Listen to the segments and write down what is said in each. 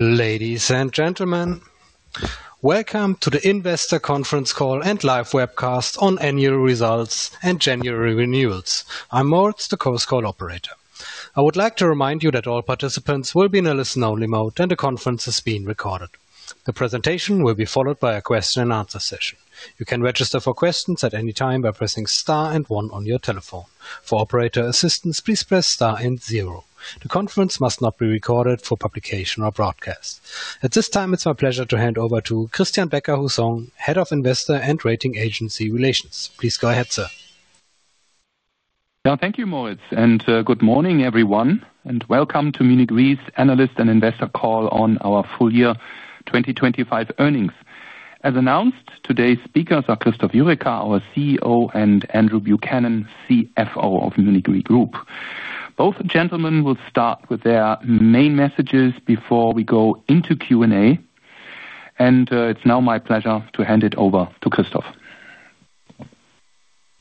Ladies and gentlemen, welcome to the Investor Conference Call and Live Webcast on Annual Results and January Renewals. I'm Moritz, the Close Call operator. I would like to remind you that all participants will be in a listen-only mode, and the conference is being recorded. The presentation will be followed by a question and answer session. You can register for questions at any time by pressing star and one on your telephone. For operator assistance, please press star and zero. The conference must not be recorded for publication or broadcast. At this time, it's my pleasure to hand over to Christian Becker-Hüssong, Head of Investor and Rating Agency Relations. Please go ahead, sir. Now, thank you, Moritz, and good morning, everyone, and welcome to Munich Re's Analyst and Investor Call on our Full Year 2025 Earnings. As announced, today's speakers are Christoph Jurecka, our CEO, and Andrew Buchanan, CFO of Munich Re Group. Both gentlemen will start with their main messages before we go into Q&A. It's now my pleasure to hand it over to Christoph.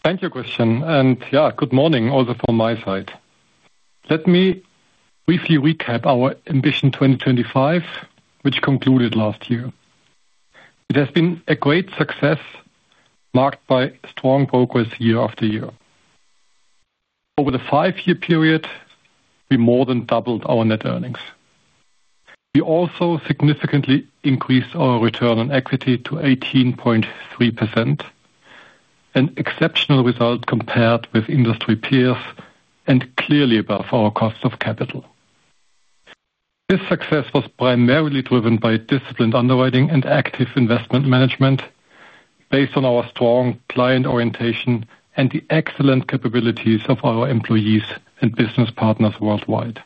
Thank you, Christian, yeah, good morning also from my side. Let me briefly recap our Ambition 2025, which concluded last year. It has been a great success, marked by strong progress year-after-year. Over the five-year period, we more than doubled our net earnings. We also significantly increased our Return on Equity to 18.3%, an exceptional result compared with industry peers and clearly above our cost of capital. This success was primarily driven by disciplined underwriting and active investment management, based on our strong client orientation and the excellent capabilities of our employees and business partners worldwide.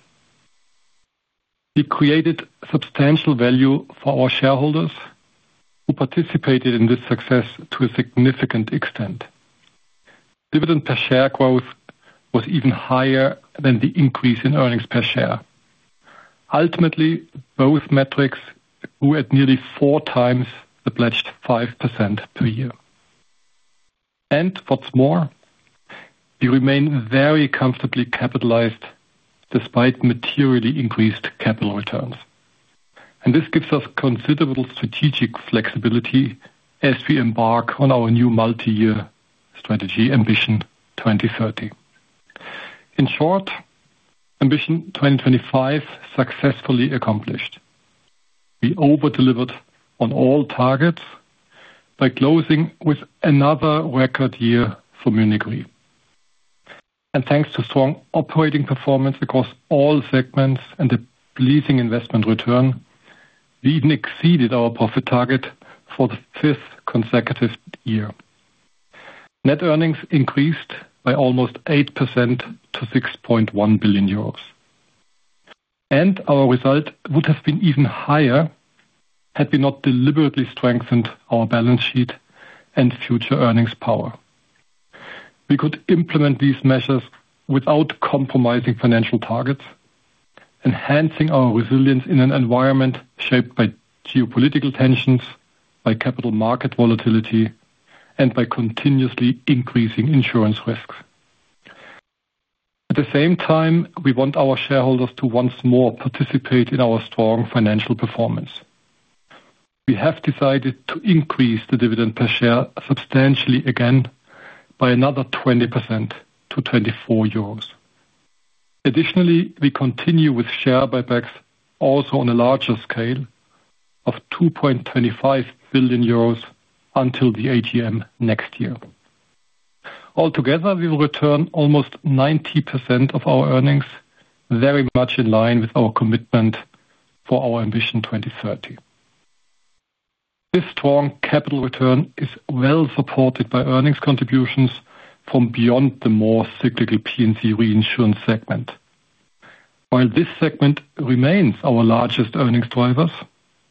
We created substantial value for our shareholders, who participated in this success to a significant extent. Dividend per share growth was even higher than the increase in earnings per share. Ultimately, both metrics grew at nearly 4x the pledged 5% per year. What's more, we remain very comfortably capitalized despite materially increased capital returns, and this gives us considerable strategic flexibility as we embark on our new multi-year strategy, Ambition 2030. In short, Ambition 2025 successfully accomplished. We over-delivered on all targets by closing with another record year for Munich Re. Thanks to strong operating performance across all segments and the leasing investment return, we even exceeded our profit target for the fifth consecutive year. Net earnings increased by almost 8% to 6.1 billion euros. Our result would have been even higher had we not deliberately strengthened our balance sheet and future earnings power. We could implement these measures without compromising financial targets, enhancing our resilience in an environment shaped by geopolitical tensions, by capital market volatility, and by continuously increasing insurance risks. At the same time, we want our shareholders to once more participate in our strong financial performance. We have decided to increase the dividend per share substantially again by another 20% to 24 euros. Additionally, we continue with share buybacks also on a larger scale of 2.25 billion euros until the AGM next year. Altogether, we will return almost 90% of our earnings, very much in line with our commitment for our Ambition 2030. This strong capital return is well supported by earnings contributions from beyond the more cyclical P&C Reinsurance segment. While this segment remains our largest earnings driver,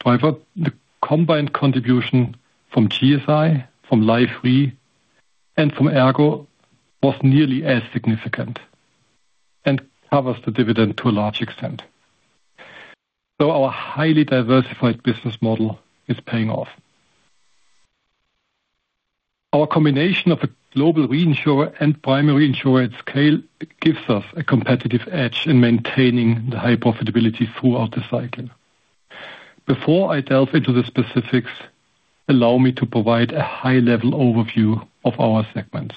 the combined contribution from GSI, from Life Re, and from ERGO was nearly as significant and covers the dividend to a large extent. Our highly diversified business model is paying off. Our combination of a Global Reinsurer and Primary Insurer at scale gives us a competitive edge in maintaining the high profitability throughout the cycle. Before I delve into the specifics, allow me to provide a high-level overview of our segments.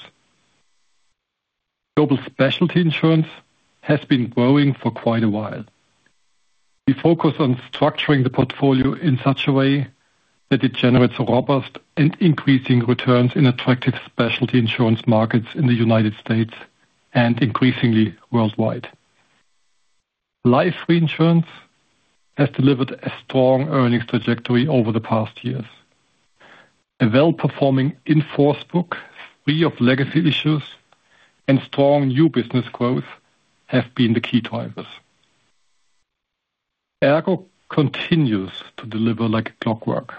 Global Specialty Insurance has been growing for quite a while. We focus on structuring the portfolio in such a way that it generates robust and increasing returns in attractive specialty insurance markets in the United States and increasingly worldwide. Life Re has delivered a strong earnings trajectory over the past years. A well-performing in-force book, free of legacy issues and strong new business growth, have been the key drivers. ERGO continues to deliver like clockwork.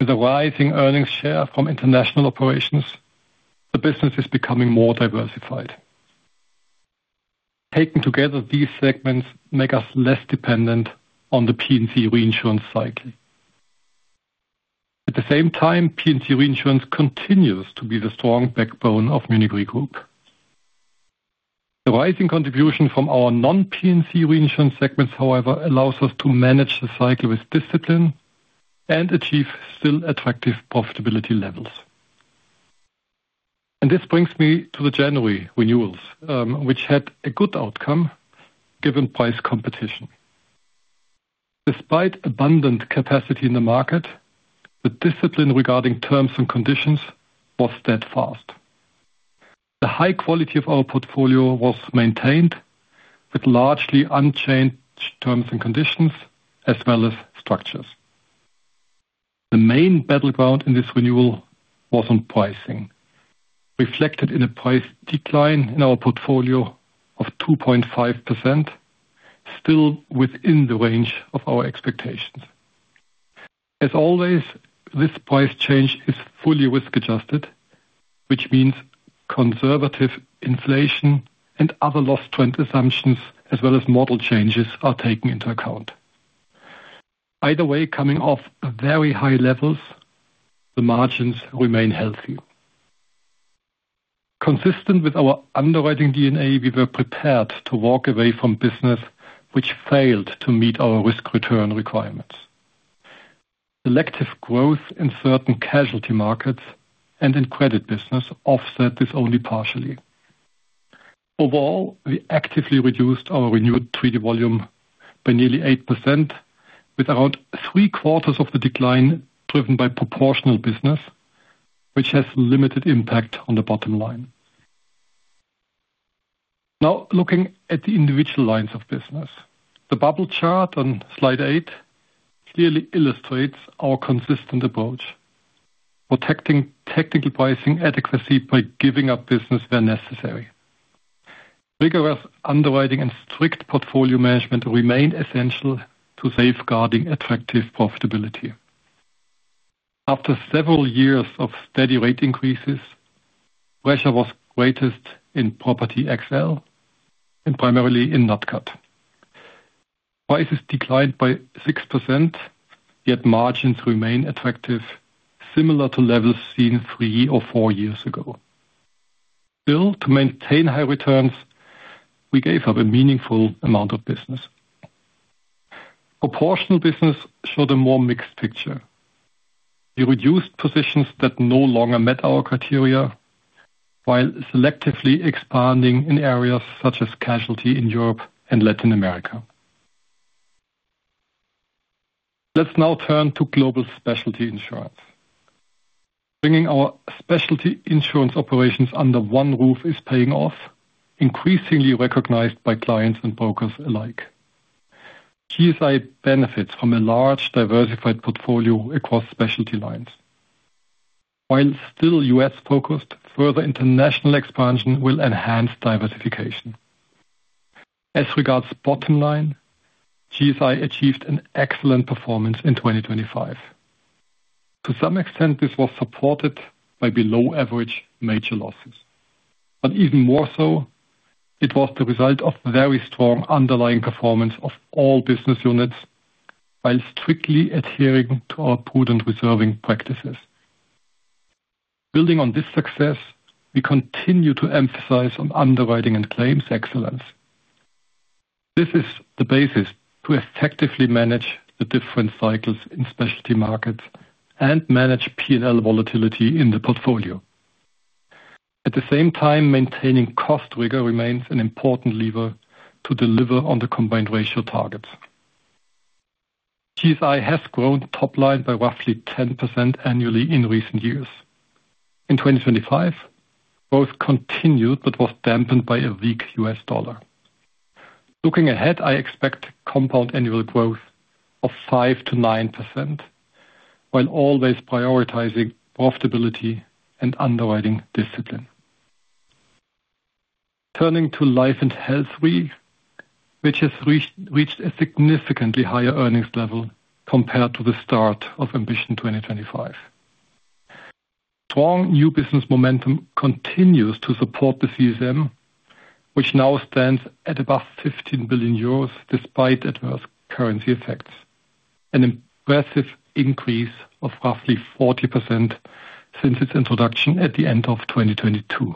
With a rising earnings share from international operations, the business is becoming more diversified. Taken together, these segments make us less dependent on the P&C Reinsurance cycle. At the same time, P&C Reinsurance continues to be the strong backbone of Munich Re Group. The rising contribution from our non-P&C Reinsurance segments, however, allows us to manage the cycle with discipline and achieve still attractive profitability levels. This brings me to the January renewals, which had a good outcome given price competition. Despite abundant capacity in the market, the discipline regarding terms and conditions was steadfast. The high quality of our portfolio was maintained with largely unchanged terms and conditions, as well as structures. The main battleground in this renewal was on pricing, reflected in a price decline in our portfolio of 2.5%, still within the range of our expectations. As always, this price change is fully risk adjusted, which means conservative inflation and other loss trend assumptions, as well as model changes, are taken into account. Coming off very high levels, the margins remain healthy. Consistent with our underwriting DNA, we were prepared to walk away from business which failed to meet our risk return requirements. Selective growth in certain casualty markets and In-Credit Business offset this only partially. Overall, we actively reduced our renewed treaty volume by nearly 8%, with around three quarters of the decline driven by proportional business, which has limited impact on the bottom line. Looking at the individual lines of business. The bubble chart on slide eight clearly illustrates our consistent approach, protecting technical pricing adequacy by giving up business where necessary. Rigorous underwriting and strict portfolio management remain essential to safeguarding attractive profitability. After several years of steady rate increases, pressure was greatest in Property XL and primarily in Nat Cat. Prices declined by 6%, yet margins remain attractive, similar to levels seen three or four years ago. To maintain high returns, we gave up a meaningful amount of business. Proportional business showed a more mixed picture. We reduced positions that no longer met our criteria, while selectively expanding in areas such as casualty in Europe and Latin America. Let's now turn to Global Specialty Insurance. Bringing our specialty insurance operations under one roof is paying off, increasingly recognized by clients and brokers alike. GSI benefits from a large, diversified portfolio across specialty lines. While still US focused, further international expansion will enhance diversification. As regards bottom line, GSI achieved an excellent performance in 2025. To some extent, this was supported by below average major losses, but even more so, it was the result of very strong underlying performance of all business units, while strictly adhering to our prudent reserving practices. Building on this success, we continue to emphasize on underwriting and claims excellence. This is the basis to effectively manage the different cycles in specialty markets and manage P&L volatility in the portfolio. At the same time, maintaining cost rigor remains an important lever to deliver on the combined ratio targets. GSI has grown top line by roughly 10% annually in recent years. In 2025, growth continued, but was dampened by a weak US dollar. Looking ahead, I expect compound annual growth of 5%-9%, while always prioritizing profitability and underwriting discipline. Turning to Life and Health Re, which has reached a significantly higher earnings level compared to the start of Ambition 2025. Strong new business momentum continues to support the CSM, which now stands at above 15 billion euros, despite adverse currency effects, an impressive increase of roughly 40% since its introduction at the end of 2022.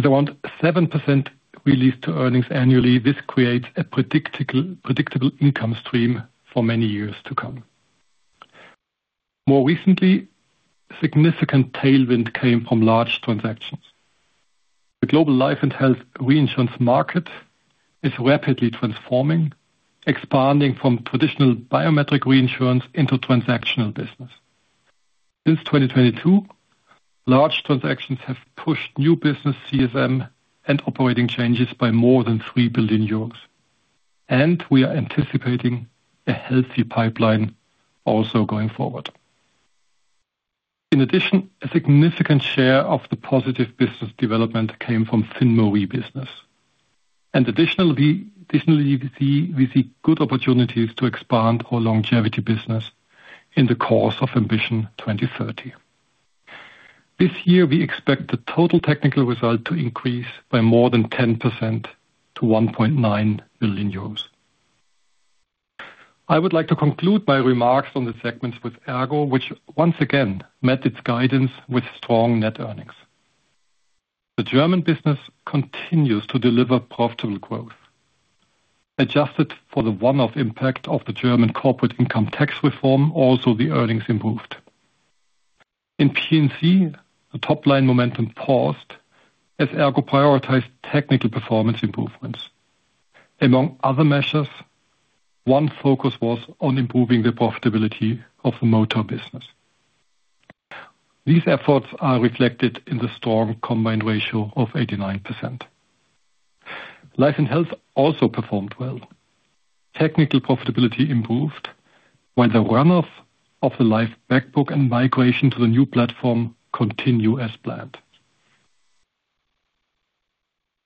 At around 7% release to earnings annually, this creates a predictable income stream for many years to come. More recently, significant tailwind came from large transactions. The global Life and Health reinsurance market is rapidly transforming, expanding from traditional biometric reinsurance into transactional business. Since 2022, large transactions have pushed new business CSM and operating changes by more than 3 billion euros, and we are anticipating a healthy pipeline also going forward. In addition, a significant share of the positive business development came from thin MOE business. Additionally, we see good opportunities to expand our Longevity business in the course of Ambition 2030. This year, we expect the total technical result to increase by more than 10% to 1.9 billion euros. I would like to conclude my remarks on the segments with ERGO, which once again met its guidance with strong net earnings. The German business continues to deliver profitable growth. Adjusted for the one-off impact of the German corporate income tax reform, also the earnings improved. In P&C, the top line momentum paused as ERGO prioritized technical performance improvements. Among other measures, one focus was on improving the profitability of the motor business. These efforts are reflected in the strong combined ratio of 89%. Life & Health also performed well. Technical profitability improved, while the run-off of the life back book and migration to the new platform continue as planned.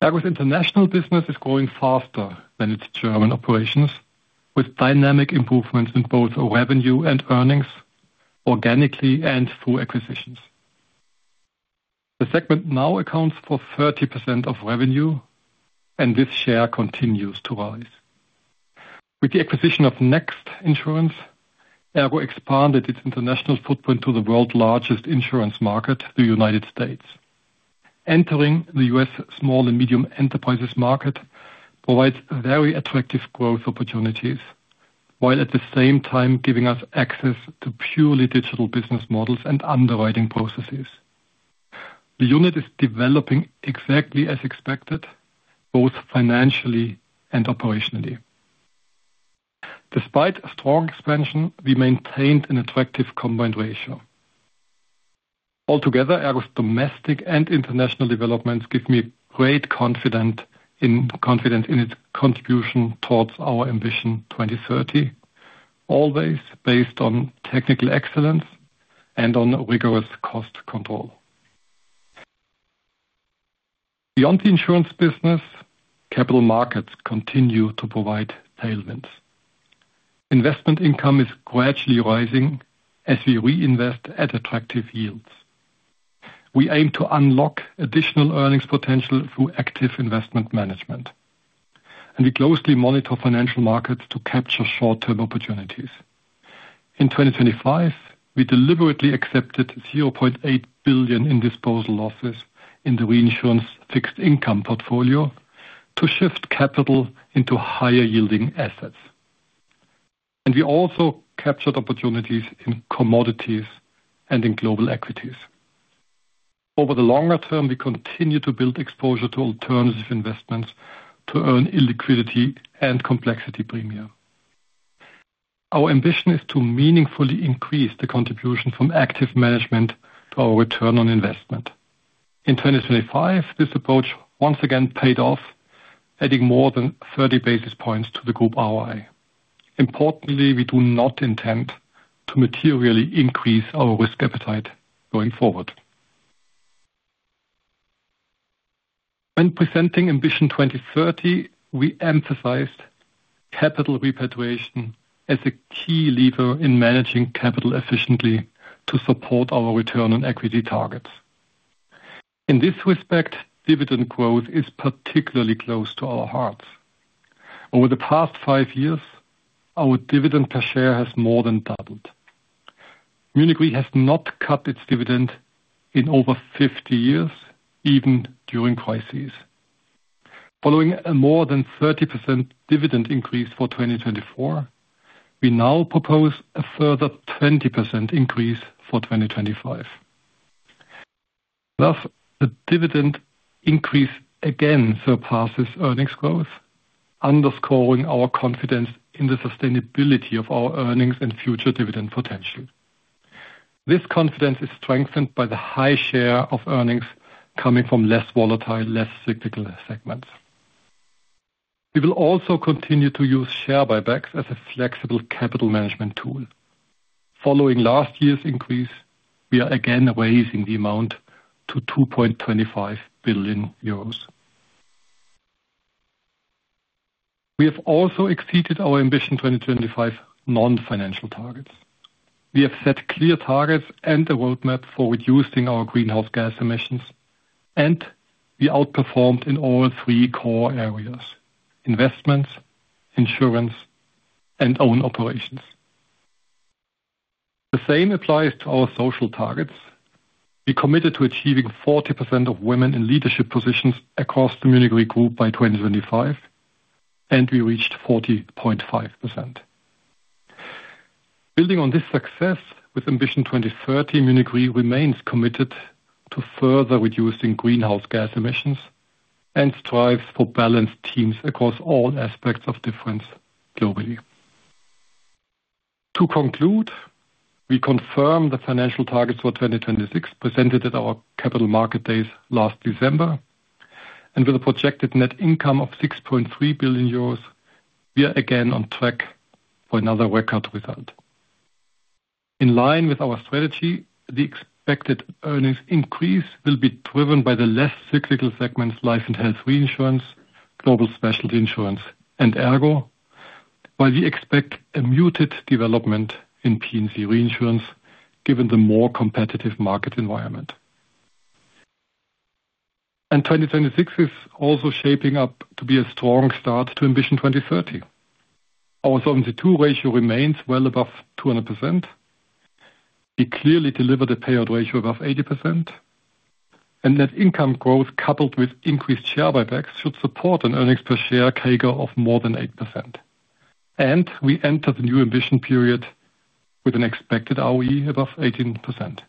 ERGO's international business is growing faster than its German operations, with dynamic improvements in both revenue and earnings, organically and through acquisitions. The segment now accounts for 30% of revenue. This share continues to rise. With the acquisition of NEXT Insurance, ERGO expanded its international footprint to the World's Largest Insurance market, the United States. Entering the US Small and Medium Enterprises market provides very attractive growth opportunities, while at the same time giving us access to purely digital business models and underwriting processes. The unit is developing exactly as expected, both financially and operationally. Despite a strong expansion, we maintained an attractive combined ratio. Altogether, ERGO's domestic and international developments give me great confidence in its contribution towards our Ambition 2030, always based on technical excellence and on rigorous cost control. Beyond the insurance business, capital markets continue to provide tailwinds. Investment income is gradually rising as we reinvest at attractive yields. We aim to unlock additional earnings potential through active investment management, and we closely monitor financial markets to capture short-term opportunities. In 2025, we deliberately accepted 0.8 billion in disposal losses in the reinsurance fixed income portfolio to shift capital into higher yielding assets. We also captured opportunities in commodities and in global equities. Over the longer term, we continue to build exposure to alternative investments to earn illiquidity and complexity premium. Our Ambition is to meaningfully increase the contribution from active management to our return on investment. In 2025, this approach once again paid off, adding more than 30 basis points to the group ROI. Importantly, we do not intend to materially increase our risk appetite going forward. When presenting Ambition 2030, we emphasized capital repatriation as a key lever in managing capital efficiently to support our return on equity targets. In this respect, dividend growth is particularly close to our hearts. Over the past five years, our dividend per share has more than doubled. Munich Re has not cut its dividend in over 50 years, even during crises. Following a more than 30% dividend increase for 2024, we now propose a further 20% increase for 2025. Thus, the dividend increase again surpasses earnings growth, underscoring our confidence in the sustainability of our earnings and future dividend potential. This confidence is strengthened by the high share of earnings coming from less volatile, less cyclical segments. We will also continue to use share buybacks as a flexible capital management tool. Following last year's increase, we are again raising the amount to 2.25 billion euros. We have also exceeded our Ambition 2025 non-financial targets. We have set clear targets and a roadmap for reducing our Greenhouse Gas Emissions. We outperformed in all three core areas: Investments, Insurance, and Own Operations. The same applies to our social targets. We committed to achieving 40% of women in leadership positions across the Munich Re Group by 2025. We reached 40.5%. Building on this success with Ambition 2030, Munich Re remains committed to further reducing Greenhouse Gas Emissions and strives for balanced teams across all aspects of difference globally. To conclude, we confirm the financial targets for 2026 presented at our Capital Markets Days last December. With a projected net income of 6.3 billion euros, we are again on track for another record result. In line with our strategy, the expected earnings increase will be driven by the less cyclical segments, Life and Health Reinsurance, Global Specialty Insurance, and ERGO, while we expect a muted development in P&C Reinsurance, given the more competitive market environment. 2026 is also shaping up to be a strong start to Ambition 2030. Our Solvency II ratio remains well above 200%. We clearly delivered a payout ratio above 80%, and net income growth, coupled with increased share buybacks, should support an earnings per share CAGR of more than 8%. We enter the new Ambition period with an expected ROE above 18%.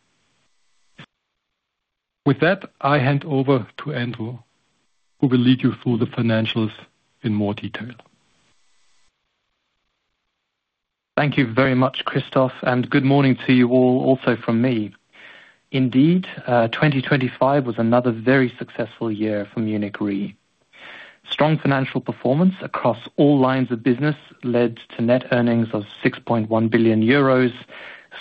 With that, I hand over to Andrew, who will lead you through the financials in more detail. Thank you very much, Christoph. Good morning to you all also from me. Indeed, 2025 was another very successful year for Munich Re. Strong financial performance across all lines of business led to net earnings of 6.1 billion euros,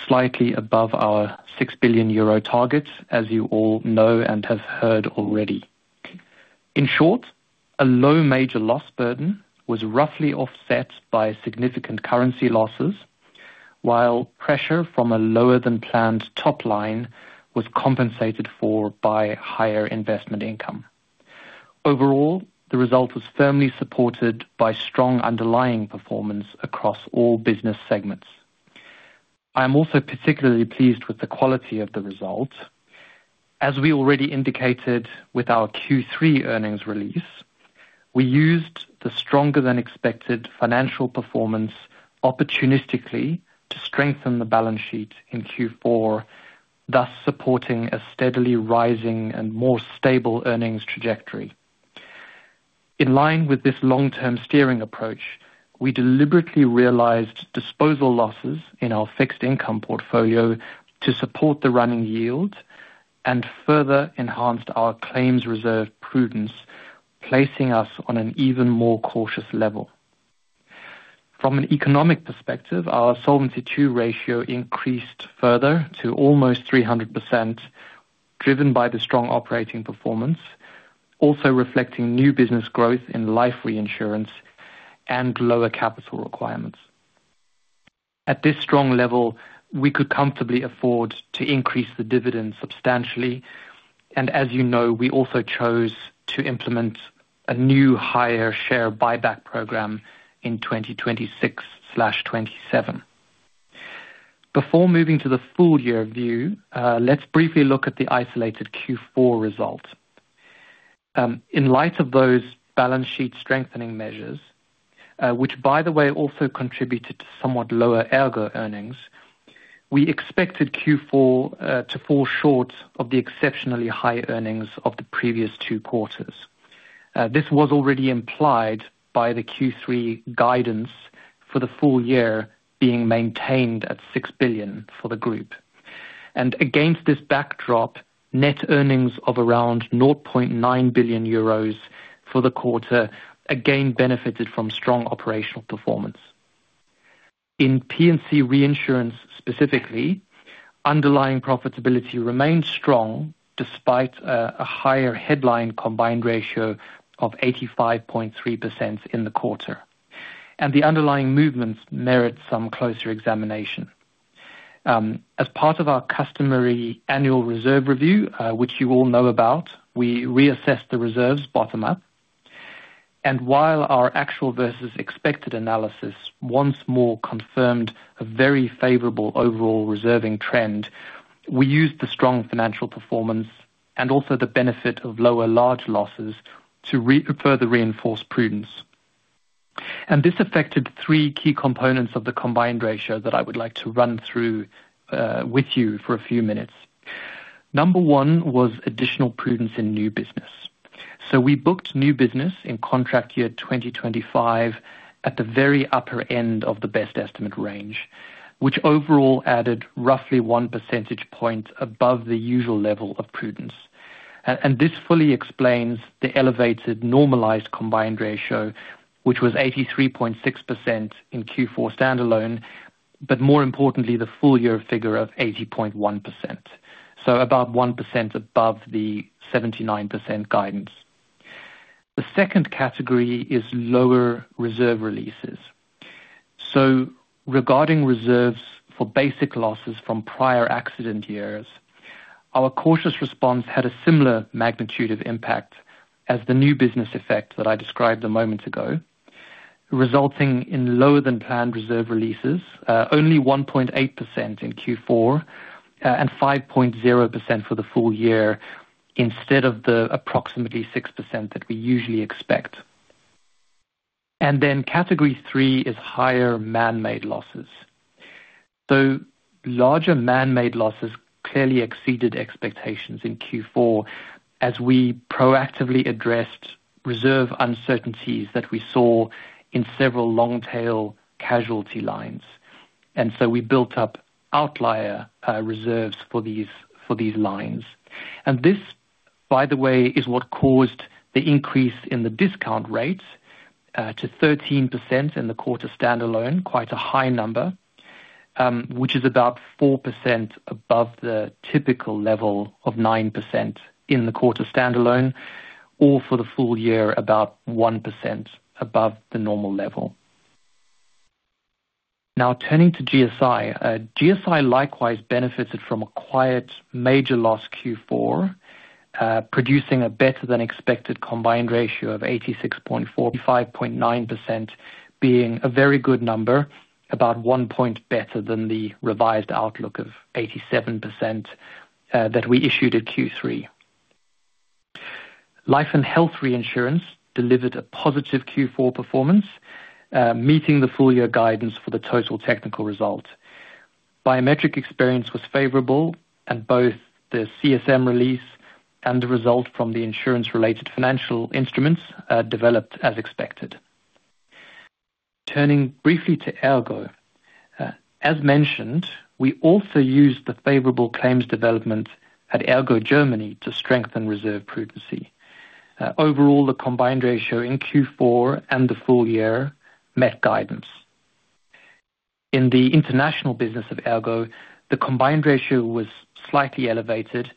slightly above our 6 billion euro targets, as you all know and have heard already. In short, a low major loss burden was roughly offset by significant currency losses, while pressure from a lower than planned top line was compensated for by higher investment income. Overall, the result was firmly supported by strong underlying performance across all business segments. I am also particularly pleased with the quality of the result. As we already indicated with our Q3 earnings release, we used the stronger than expected financial performance opportunistically to strengthen the balance sheet in Q4, thus supporting a steadily rising and more stable earnings trajectory. In line with this long-term steering approach, we deliberately realized disposal losses in our fixed income portfolio to support the running yield and further enhanced our claims reserve prudence, placing us on an even more cautious level. From an economic perspective, our Solvency II ratio increased further to almost 300%, driven by the strong operating performance, also reflecting new business growth in life reinsurance and lower capital requirements. At this strong level, we could comfortably afford to increase the dividend substantially, and as you know, we also chose to implement a new higher share buyback program in 2026/2027. Before moving to the full year view, let's briefly look at the isolated Q4 result. In light of those balance sheet strengthening measures, which, by the way, also contributed to somewhat lower ERGO earnings, we expected Q4 to fall short of the exceptionally high earnings of the previous two quarters. This was already implied by the Q3 guidance for the full year being maintained at 6 billion for the group. Against this backdrop, net earnings of around 0.9 billion euros for the quarter again benefited from strong operational performance. In P&C Reinsurance specifically, underlying profitability remained strong despite a higher headline combined ratio of 85.3% in the quarter, and the underlying movements merit some closer examination. As part of our customary annual reserve review, which you all know about, we reassessed the reserves bottom up. While our actual versus expected analysis once more confirmed a very favorable overall reserving trend, we used the strong financial performance and also the benefit of lower large losses to further reinforce prudence. This affected three key components of the combined ratio that I would like to run through with you for a few minutes. Number one was additional prudence in new business. We booked new business in contract year 2025, at the very upper end of the best estimate range, which overall added roughly 1 percentage point above the usual level of prudence. This fully explains the elevated, normalized combined ratio, which was 83.6% in Q4 standalone, but more importantly, the full year figure of 80.1%, so about 1% above the 79% guidance. The second category is lower reserve releases. Regarding reserves for basic losses from prior accident years, our cautious response had a similar magnitude of impact as the new business effect that I described a moment ago, resulting in lower than planned reserve releases, only 1.8% in Q4, and 5.0% for the full year, instead of the approximately 6% that we usually expect. Category three is higher man-made losses. Larger man-made losses clearly exceeded expectations in Q4, as we proactively addressed reserve uncertainties that we saw in several long tail casualty lines. We built up outlier reserves for these lines. This, by the way, is what caused the increase in the discount rate to 13% in the quarter standalone. Quite a high number. which is about 4% above the typical level of 9% in the quarter standalone, or for the full year, about 1% above the normal level. Turning to GSI. GSI likewise benefited from a quiet major loss Q4, producing a better-than-expected combined ratio of 86.4 to 5.9%, being a very good number, about one point better than the revised outlook of 87% that we issued at Q3. Life and Health Reinsurance delivered a positive Q4 performance, meeting the full year guidance for the total technical result. Biometric experience was favorable. Both the CSM release and the result from the insurance-related financial instruments developed as expected. Turning briefly to ERGO. As mentioned, we also used the favorable claims development at ERGO Germany to strengthen reserve prudence. Overall, the combined ratio in Q4 and the full year met guidance. In the international business of ERGO, the combined ratio was slightly elevated,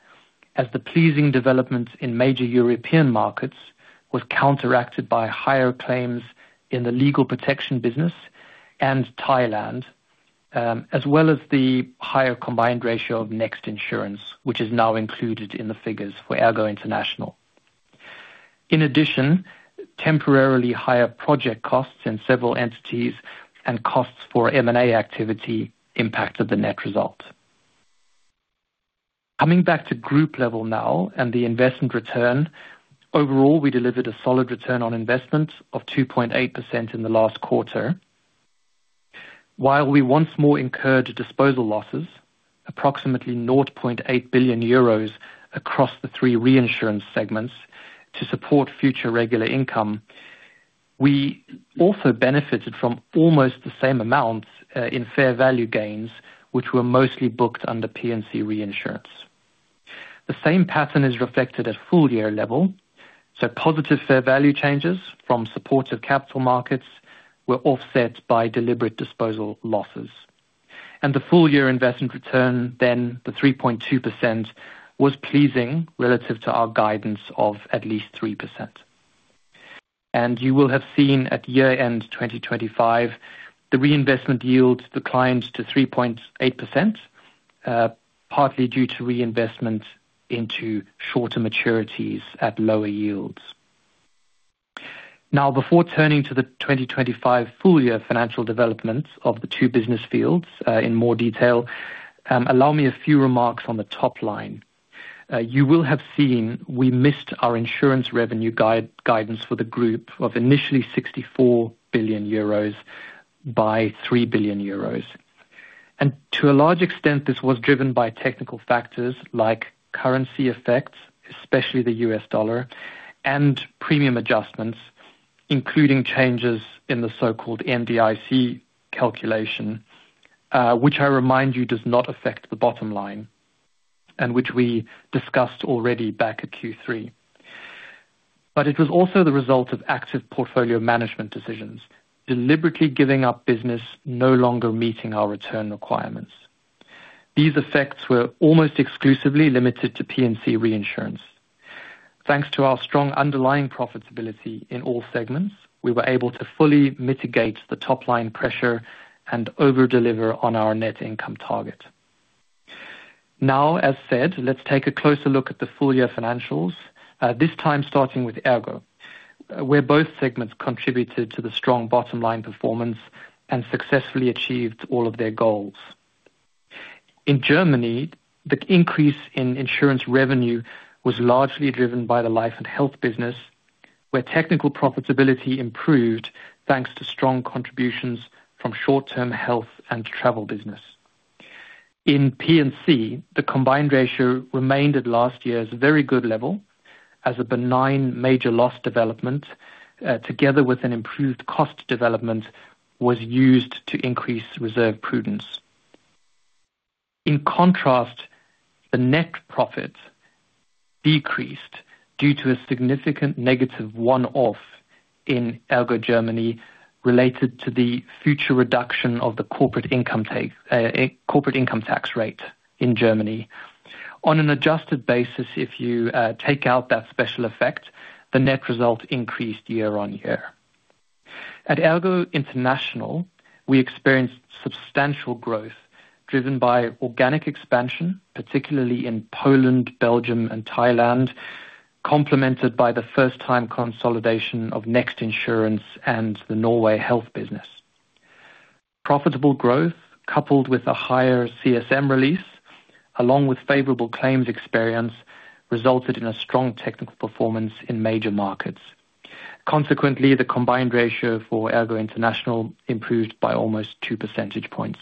as the pleasing developments in major European markets was counteracted by higher claims in the legal protection business and Thailand, as well as the higher combined ratio of NEXT Insurance, which is now included in the figures for ERGO International. In addition, temporarily higher project costs in several entities and costs for M&A activity impacted the net result. Coming back to group level now and the investment return. Overall, we delivered a solid return on investment of 2.8% in the last quarter. While we once more incurred disposal losses, approximately 0.8 billion euros across the three reinsurance segments to support future regular income, we also benefited from almost the same amount in fair value gains, which were mostly booked under P&C Reinsurance. The same pattern is reflected at full year level. Positive fair value changes from supportive capital markets were offset by deliberate disposal losses. The full year investment return, 3.2%, was pleasing relative to our guidance of at least 3%. You will have seen at year-end 2025, the reinvestment yields declined to 3.8%, partly due to reinvestment into shorter maturities at lower yields. Before turning to the 2025 full year financial developments of the two business fields, in more detail, allow me a few remarks on the top line. You will have seen we missed our insurance revenue guidance for the group of initially 64 billion euros by 3 billion euros. To a large extent, this was driven by technical factors like currency effects, especially the US dollar, and premium adjustments, including changes in the so-called NDIC calculation, which I remind you, does not affect the bottom line and which we discussed already back at Q3. It was also the result of active portfolio management decisions, deliberately giving up business no longer meeting our return requirements. These effects were almost exclusively limited to P&C Reinsurance. Thanks to our strong underlying profitability in all segments, we were able to fully mitigate the top-line pressure and over-deliver on our net income target. As said, let's take a closer look at the full year financials, this time starting with ERGO, where both segments contributed to the strong bottom-line performance and successfully achieved all of their goals. In Germany, the increase in insurance revenue was largely driven by the Life and Health business, where technical profitability improved thanks to strong contributions from short-term health and travel business. In P&C, the combined ratio remained at last year's very good level, as a benign major loss development, together with an improved cost development, was used to increase reserve prudence. In contrast, the net profit decreased due to a significant negative one-off in ERGO Germany, related to the future reduction of the corporate income tax rate in Germany. On an adjusted basis, if you take out that special effect, the net result increased year-on-year. At ERGO International, we experienced substantial growth driven by organic expansion, particularly in Poland, Belgium and Thailand, complemented by the first time consolidation of NEXT Insurance and the Norway health business. Profitable growth, coupled with a higher CSM release, along with favorable claims experience, resulted in a strong technical performance in major markets. Consequently, the combined ratio for ERGO International improved by almost 2 percentage points.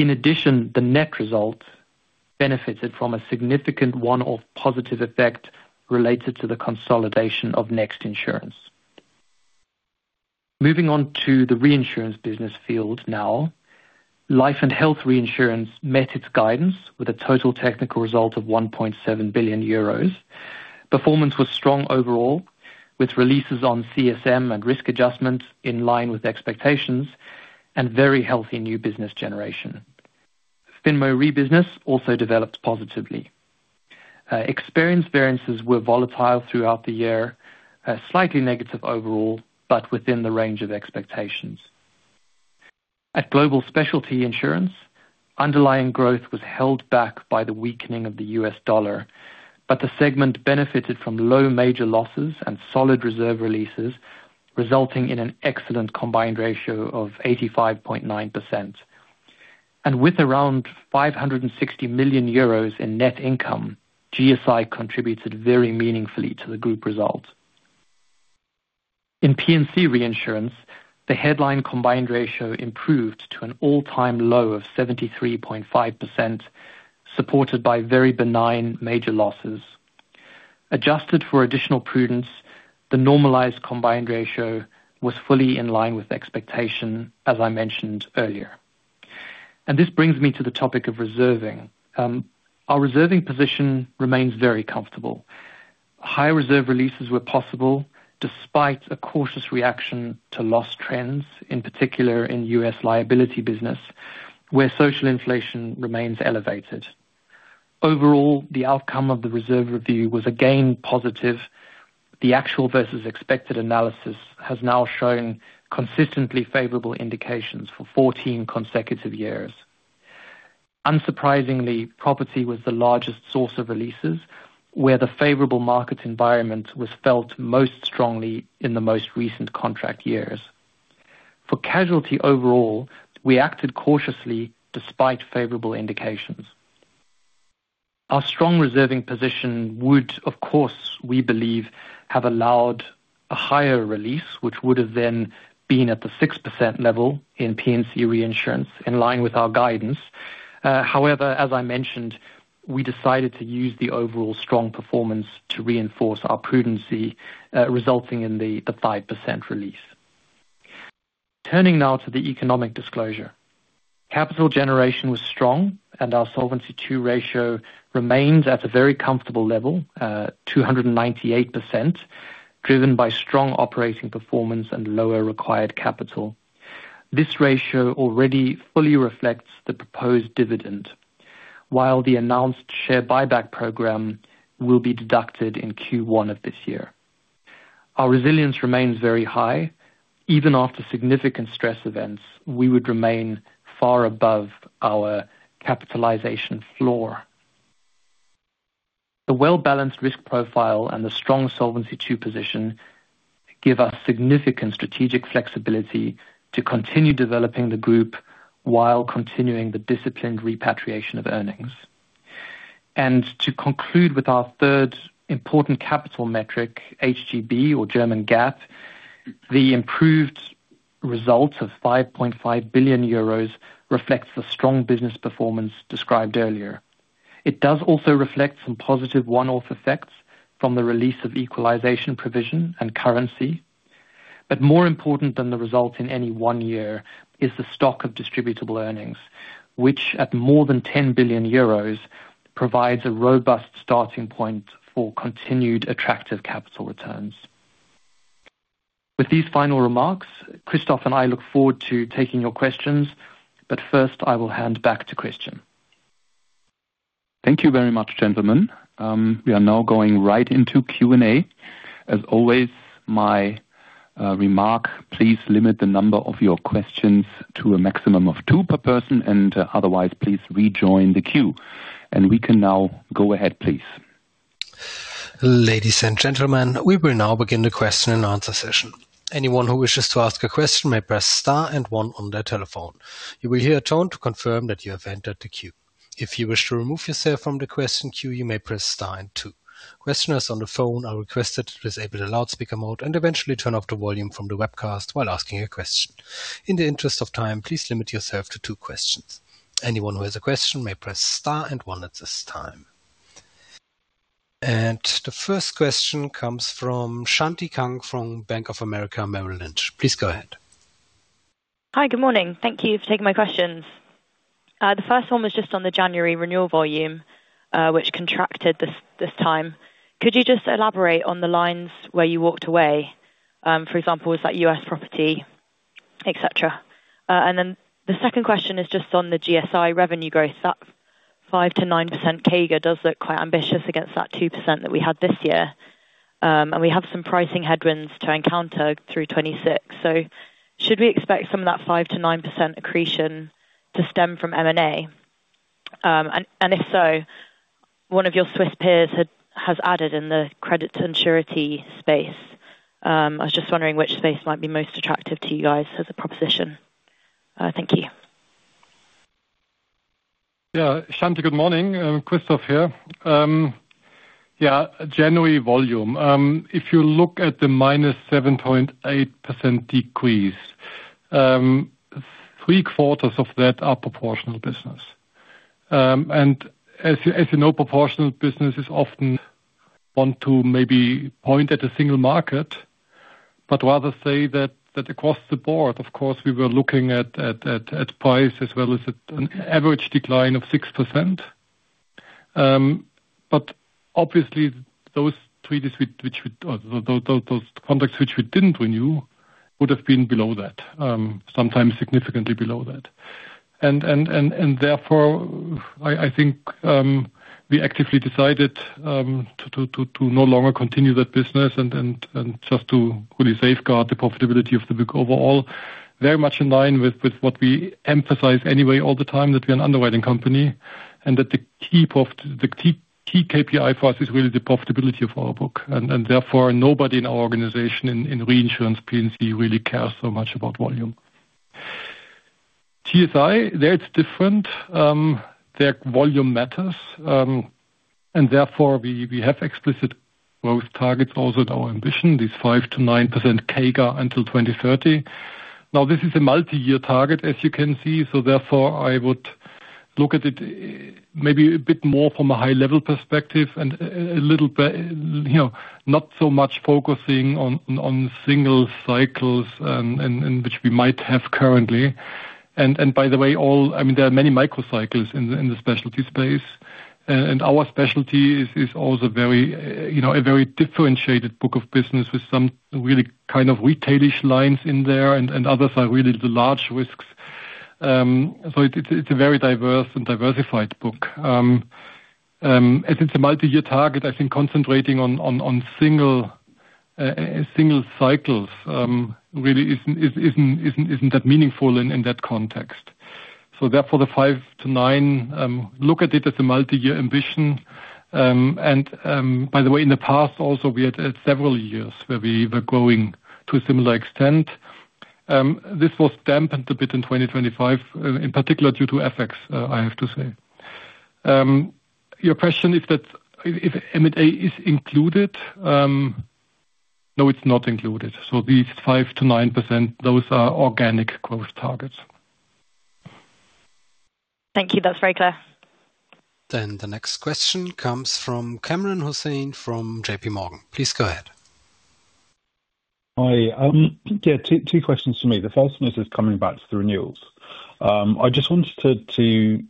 In addition, the net result benefited from a significant one-off positive effect related to the consolidation of NEXT Insurance. Moving on to the reinsurance business field now. Life and Health Reinsurance met its guidance with a total technical result of 1.7 billion euros. Performance was strong overall, with releases on CSM and risk adjustments in line with expectations and very healthy new business generation. FinRe business also developed positively. Experience variances were volatile throughout the year, slightly negative overall, but within the range of expectations. At Global Specialty Insurance, underlying growth was held back by the weakening of the US dollar, but the segment benefited from low major losses and solid reserve releases, resulting in an excellent combined ratio of 85.9%. With around 560 million euros in net income, GSI contributed very meaningfully to the group result. In P&C Reinsurance, the headline combined ratio improved to an all-time low of 73.5%, supported by very benign major losses. Adjusted for additional prudence, the normalized combined ratio was fully in line with expectation, as I mentioned earlier. This brings me to the topic of reserving. Our reserving position remains very comfortable. High reserve releases were possible despite a cautious reaction to loss trends, in particular in US liability business, where social inflation remains elevated. Overall, the outcome of the reserve review was, again, positive. The actual versus expected analysis has now shown consistently favorable indications for 14 consecutive years. Unsurprisingly, property was the largest source of releases, where the favorable market environment was felt most strongly in the most recent contract years. For casualty overall, we acted cautiously despite favorable indications. Our strong reserving position would, of course, we believe, have allowed a higher release, which would have then been at the 6% level in P&C Reinsurance, in line with our guidance. However, as I mentioned, we decided to use the overall strong performance to reinforce our prudency, resulting in the 5% release. Turning now to the economic disclosure. Capital generation was strong, and our Solvency II ratio remains at a very comfortable level, 298%, driven by strong operating performance and lower required capital. This ratio already fully reflects the proposed dividend, while the announced share buyback program will be deducted in Q1 of this year. Our resilience remains very high. Even after significant stress events, we would remain far above our capitalization floor. The well-balanced risk profile and the strong Solvency II position give us significant strategic flexibility to continue developing the group while continuing the disciplined repatriation of earnings. To conclude with our third important capital metric, HGB or German GAAP, the improved results of 5.5 billion euros reflects the strong business performance described earlier. It does also reflect some positive one-off effects from the release of equalization provision and currency. More important than the results in any one year is the stock of distributable earnings, which, at more than 10 billion euros, provides a robust starting point for continued attractive capital returns. With these final remarks, Christoph and I look forward to taking your questions. First, I will hand back to Christian. Thank you very much, gentlemen. We are now going right into Q&A. As always, my remark, please limit the number of your questions to a maximum of two per person, otherwise, please rejoin the queue. We can now go ahead, please. Ladies and gentlemen, we will now begin the question and answer session. Anyone who wishes to ask a question may press star and one on their telephone. You will hear a tone to confirm that you have entered the queue. If you wish to remove yourself from the question queue, you may press star and two. Questioners on the phone are requested to disable the loudspeaker mode and eventually turn off the volume from the webcast while asking a question. In the interest of time, please limit yourself to two questions. Anyone who has a question may press star and one at this time. The first question comes from Shanti Kang from Bank of America Merrill Lynch. Please go ahead. Hi, good morning. Thank you for taking my questions. The first one was just on the January Renewal volume, which contracted this time. Could you just elaborate on the lines where you walked away? For example, was that US property, et cetera? The second question is just on the GSI revenue growth. That 5% to 9% CAGR does look quite ambitious against that 2% that we had this year. We have some pricing headwinds to encounter through 2026. Should we expect some of that 5% to 9% accretion to stem from M&A? If so, one of your Swiss peers has added in the credit certainty space. I was just wondering which space might be most attractive to you guys as a proposition. Thank you. Yeah, Shanti, good morning. Christoph here. Yeah, January volume. If you look at the -7.8% decrease, three quarters of that are proportional business. As you know, proportional business is often want to maybe point at a single market. but rather say that across the board, of course, we were looking at price as well as an average decline of 6%. Obviously, those treaties which we, those contracts which we didn't renew would have been below that, sometimes significantly below that. Therefore, I think, we actively decided to no longer continue that business and just to really safeguard the profitability of the book overall. Very much in line with what we emphasize anyway all the time, that we're an underwriting company, and that the key KPI for us is really the profitability of our book. Therefore, nobody in our organization in Reinsurance P&C really cares so much about volume. TSI, there it's different. Their volume matters, therefore, we have explicit growth targets. Also, our Ambition, this 5%-9% CAGR until 2030. This is a multi-year target, as you can see, so therefore I would look at it maybe a bit more from a high-level perspective and a little bit, you know, not so much focusing on single cycles, and which we might have currently. By the way, I mean, there are many micro cycles in the specialties space, and our specialty is also very, you know, a very differentiated book of business with some really kind of retailish lines in there, and others are really the large risks. It's a very diverse and diversified book. As it's a multi-year target, I think concentrating on single cycles really isn't that meaningful in that context. Therefore, the 5%-9%, look at it as a multi-year ambition. And, by the way, in the past also we had several years where we were growing to a similar extent. This was dampened a bit in 2025, in particular due to FX, I have to say. Your question is that if M&A is included? No, it's not included. These 5%-9%, those are organic growth targets. Thank you. That's very clear. The next question comes from Kamran Hossain from JPMorgan. Please go ahead. Hi. Yeah, two questions from me. The first one is coming back to the renewals. I just wanted to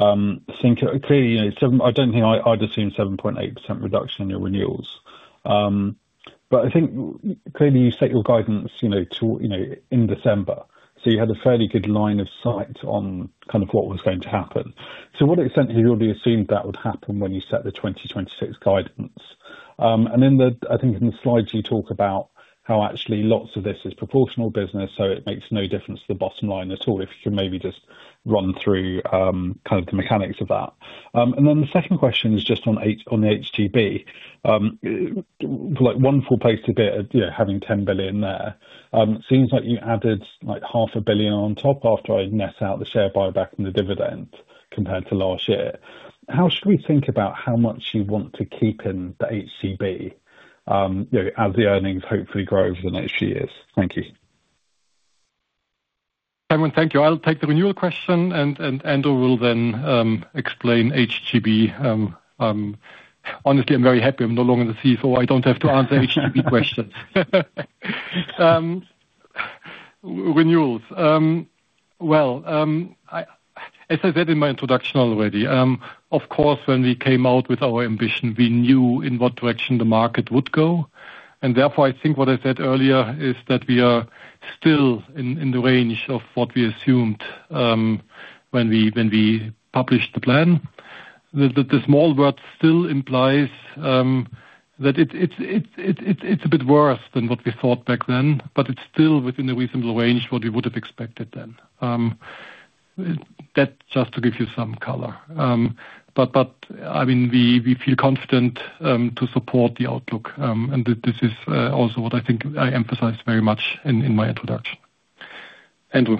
think clearly, you know, I don't think I'd assumed 7.8% reduction in your renewals. I think clearly you set your guidance, you know, to, you know, in December, so you had a fairly good line of sight on kind of what was going to happen. What extent have you already assumed that would happen when you set the 2026 guidance? In the, I think in the slides, you talk about how actually lots of this is proportional business, so it makes no difference to the bottom line at all, if you could maybe just run through kind of the mechanics of that. Then the second question is just on HGB. Like wonderful place to be, yeah, having 10 billion there. Seems like you added, like, EUR half a billion on top after I net out the share buyback and the dividend compared to last year. How should we think about how much you want to keep in the HGB, you know, as the earnings hopefully grow over the next few years? Thank you. Kamran, thank you. I'll take the renewal question, and Andrew will then explain HGB. Honestly, I'm very happy I'm no longer in the CFO, I don't have to answer any HGB questions. Renewals. Well, as I said in my introduction already, of course, when we came out with our Ambition, we knew in what direction the market would go, and therefore, I think what I said earlier is that we are still in the range of what we assumed when we published the plan. The small word still implies that it's a bit worse than what we thought back then, but it's still within a reasonable range what we would have expected then. That's just to give you some color. But, I mean, we feel confident to support the outlook, and this is also what I think I emphasized very much in my introduction. Andrew?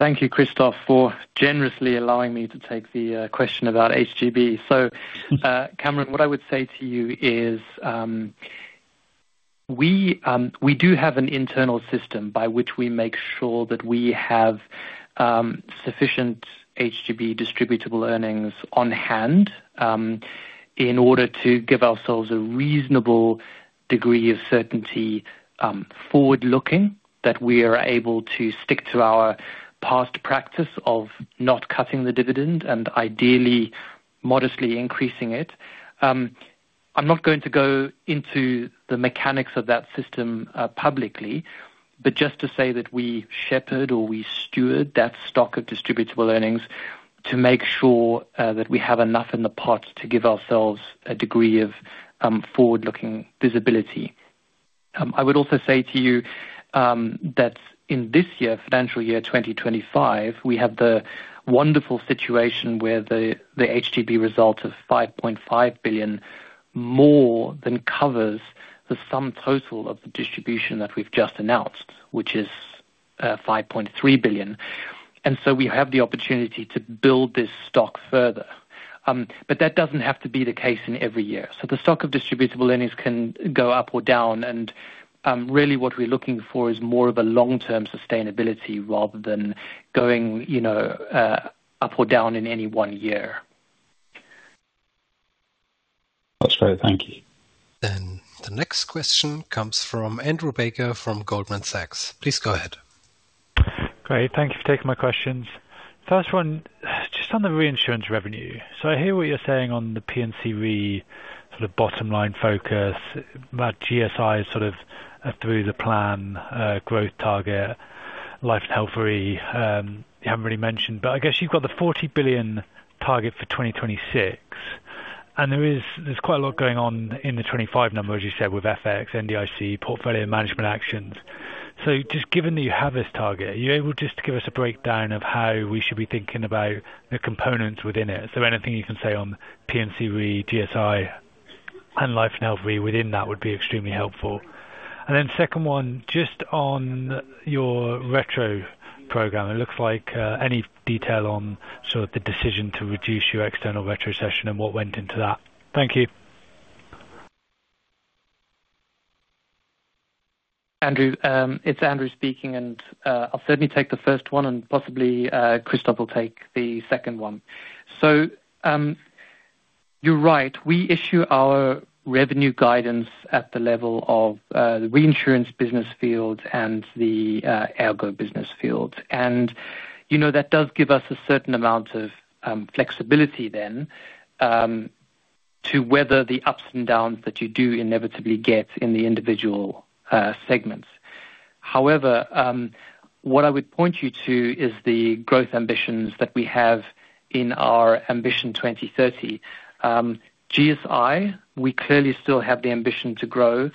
Thank you, Christoph, for generously allowing me to take the question about HGB. Kamran, what I would say to you is, we do have an internal system by which we make sure that we have sufficient HGB distributable earnings on hand in order to give ourselves a reasonable degree of certainty, forward-looking, that we are able to stick to our past practice of not cutting the dividend and ideally modestly increasing it. I'm not going to go into the mechanics of that system publicly, but just to say that we shepherd or we steward that stock of distributable earnings to make sure that we have enough in the pot to give ourselves a degree of forward-looking visibility. I would also say to you, that in this year, financial year 2025, we have the wonderful situation where the HGB result of 5.5 billion more than covers the sum total of the distribution that we've just announced, which is, 5.3 billion. We have the opportunity to build this stock further. That doesn't have to be the case in every year. The stock of distributable earnings can go up or down, and really what we're looking for is more of a long-term sustainability rather than going, you know, up or down in any one year. That's fair. Thank you. The next question comes from Andrew Baker from Goldman Sachs. Please go ahead. Great. Thank you for taking my questions. First one, just on the Reinsurance revenue. I hear what you're saying on the P&C Re, sort of bottom line focus, about GSI is sort of through the plan, growth target, Life and Health Re, you haven't really mentioned, but I guess you've got the 40 billion target for 2026. There's quite a lot going on in the 25 numbers, as you said, with FX, NDIC, portfolio management actions. Just given that you have this target, are you able just to give us a breakdown of how we should be thinking about the components within it? Is there anything you can say on P&C Re, GSI, and Life and Health Re within that would be extremely helpful. Second one, just on your retro program, it looks like any detail on sort of the decision to reduce your external retro session and what went into that? Thank you. Andrew, it's Andrew speaking, I'll certainly take the first one and possibly Christoph will take the second one. You're right, we issue our revenue guidance at the level of the reinsurance business field and the ERGO business field. You know, that does give us a certain amount of flexibility then to weather the ups and downs that you do inevitably get in the individual segments. However, what I would point you to is the growth ambitions that we have in our Ambition 2030. GSI, we clearly still have the ambition to grow,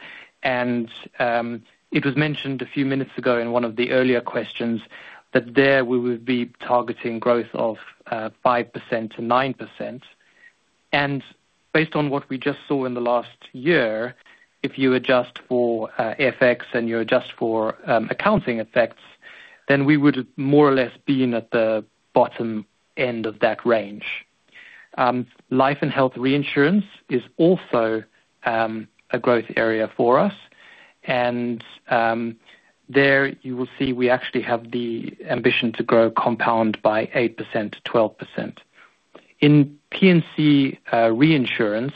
it was mentioned a few minutes ago in one of the earlier questions, that there we will be targeting growth of 5%-9%. Based on what we just saw in the last year, if you adjust for FX, and you adjust for accounting effects, then we would more or less be in at the bottom end of that range. Life and Health Reinsurance is also a growth area for us, and there you will see we actually have the ambition to grow compound by 8%-12%. In P&C Reinsurance,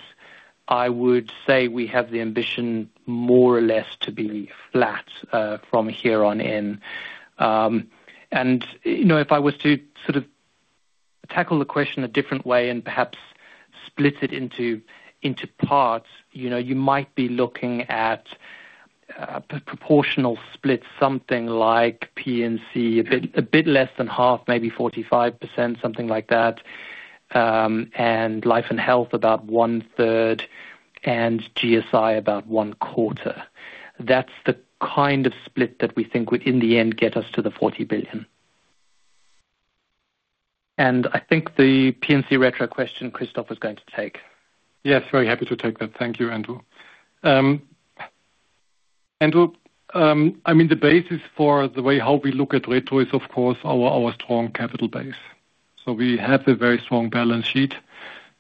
I would say we have the ambition more or less to be flat from here on in. You know, if I was to sort of tackle the question a different way and perhaps split it into parts, you know, you might be looking at proportional split, something like P&C, a bit less than half, maybe 45%, something like that, and Life and Health, about one third, and GSI, about one quarter. That's the kind of split that we think would, in the end, get us to the 40 billion. I think the P&C retro question, Christoph was going to take. Yes, very happy to take that. Thank you, Andrew. Andrew, I mean, the basis for the way how we look at retro is, of course, our strong capital base. We have a very strong balance sheet,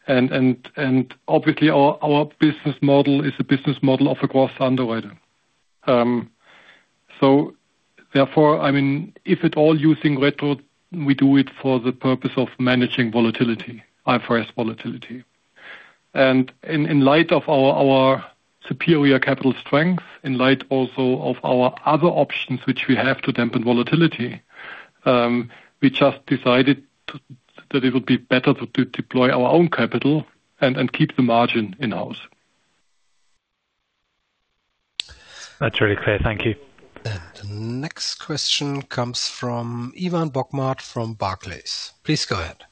and obviously, our business model is a business model of a growth underwriter. Therefore, I mean, if at all using retro, we do it for the purpose of managing volatility, IFRS volatility. In light of our superior capital strength, in light also of our other options, which we have to dampen volatility, we just decided that it would be better to deploy our own capital and keep the margin in-house. That's really clear. Thank you. The next question comes from Ivan Bokhmat from Barclays. Please go ahead.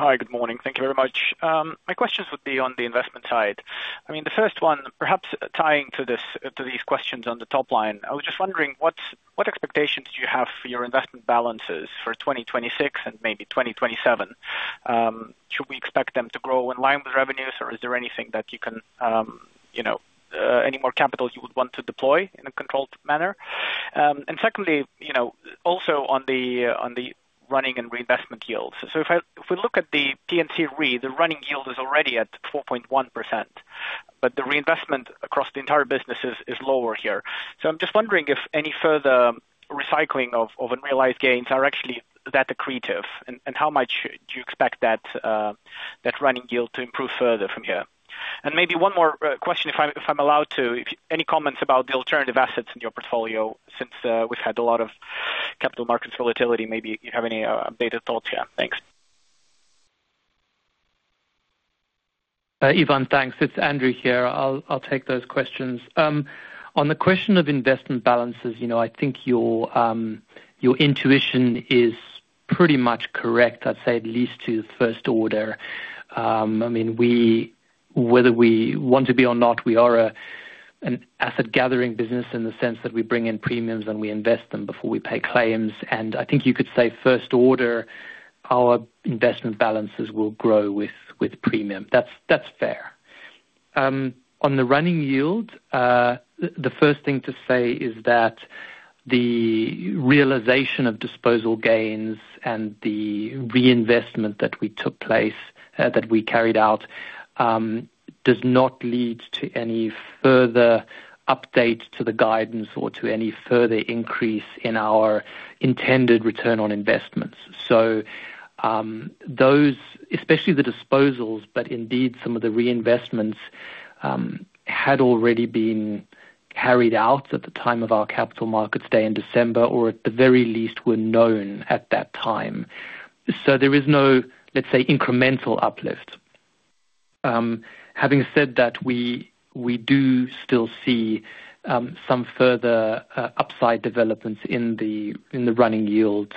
Hi, good morning. Thank you very much. My questions would be on the investment side. I mean, the first one, perhaps tying to this, to these questions on the top line. I was just wondering, what expectations do you have for your investment balances for 2026 and maybe 2027? Should we expect them to grow in line with revenues, or is there anything that you can, you know, any more capital you would want to deploy in a controlled manner? Secondly, you know, also on the running and reinvestment yields. If we look at the P&C Reinsurance, the running yield is already at 4.1%, but the reinvestment across the entire business is lower here. I'm just wondering if any further recycling of unrealized gains are actually that accretive, and how much do you expect that running yield to improve further from here? Maybe one more question, if I'm allowed to. Any comments about the alternative assets in your portfolio since we've had a lot of capital markets volatility, maybe you have any updated thoughts here? Thanks. Ivan, thanks. It's Andrew here. I'll take those questions. On the question of investment balances, you know, I think your intuition is pretty much correct. I'd say at least to first order. I mean, whether we want to be or not, we are a, an asset gathering business in the sense that we bring in premiums and we invest them before we pay claims. I think you could say first order, our investment balances will grow with premium. That's fair. On the running yield, the first thing to say is that the realization of disposal gains and the reinvestment that we took place, that we carried out, does not lead to any further updates to the guidance or to any further increase in our intended return on investments. Those, especially the disposals, but indeed some of the reinvestments had already been carried out at the time of our Capital Markets Day in December, or at the very least, were known at that time. There is no, let's say, incremental uplift. Having said that, we do still see some further upside developments in the running yields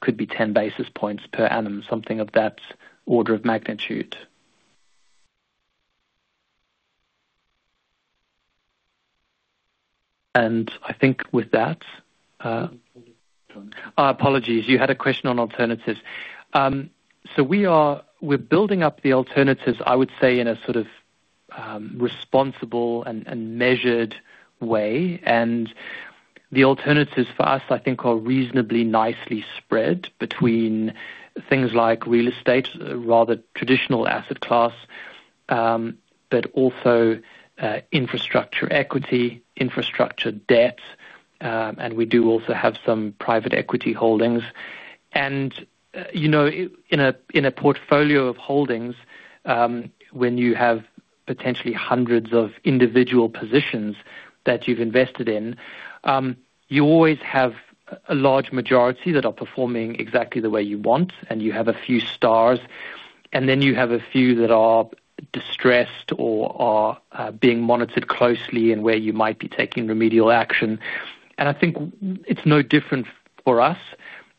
could be 10 basis points per annum, something of that order of magnitude. I think with that. Oh, apologies. You had a question on alternatives. We're building up the alternatives, I would say, in a sort of responsible and measured way. The alternatives for us, I think, are reasonably nicely spread between things like real estate, a rather traditional asset class, but also infrastructure equity, infrastructure debt, and we do also have some private equity holdings. You know, in a portfolio of holdings, when you have potentially hundreds of individual positions that you've invested in, you always have a large majority that are performing exactly the way you want, you have a few stars, and then you have a few that are distressed or are being monitored closely and where you might be taking remedial action. I think it's no different for us,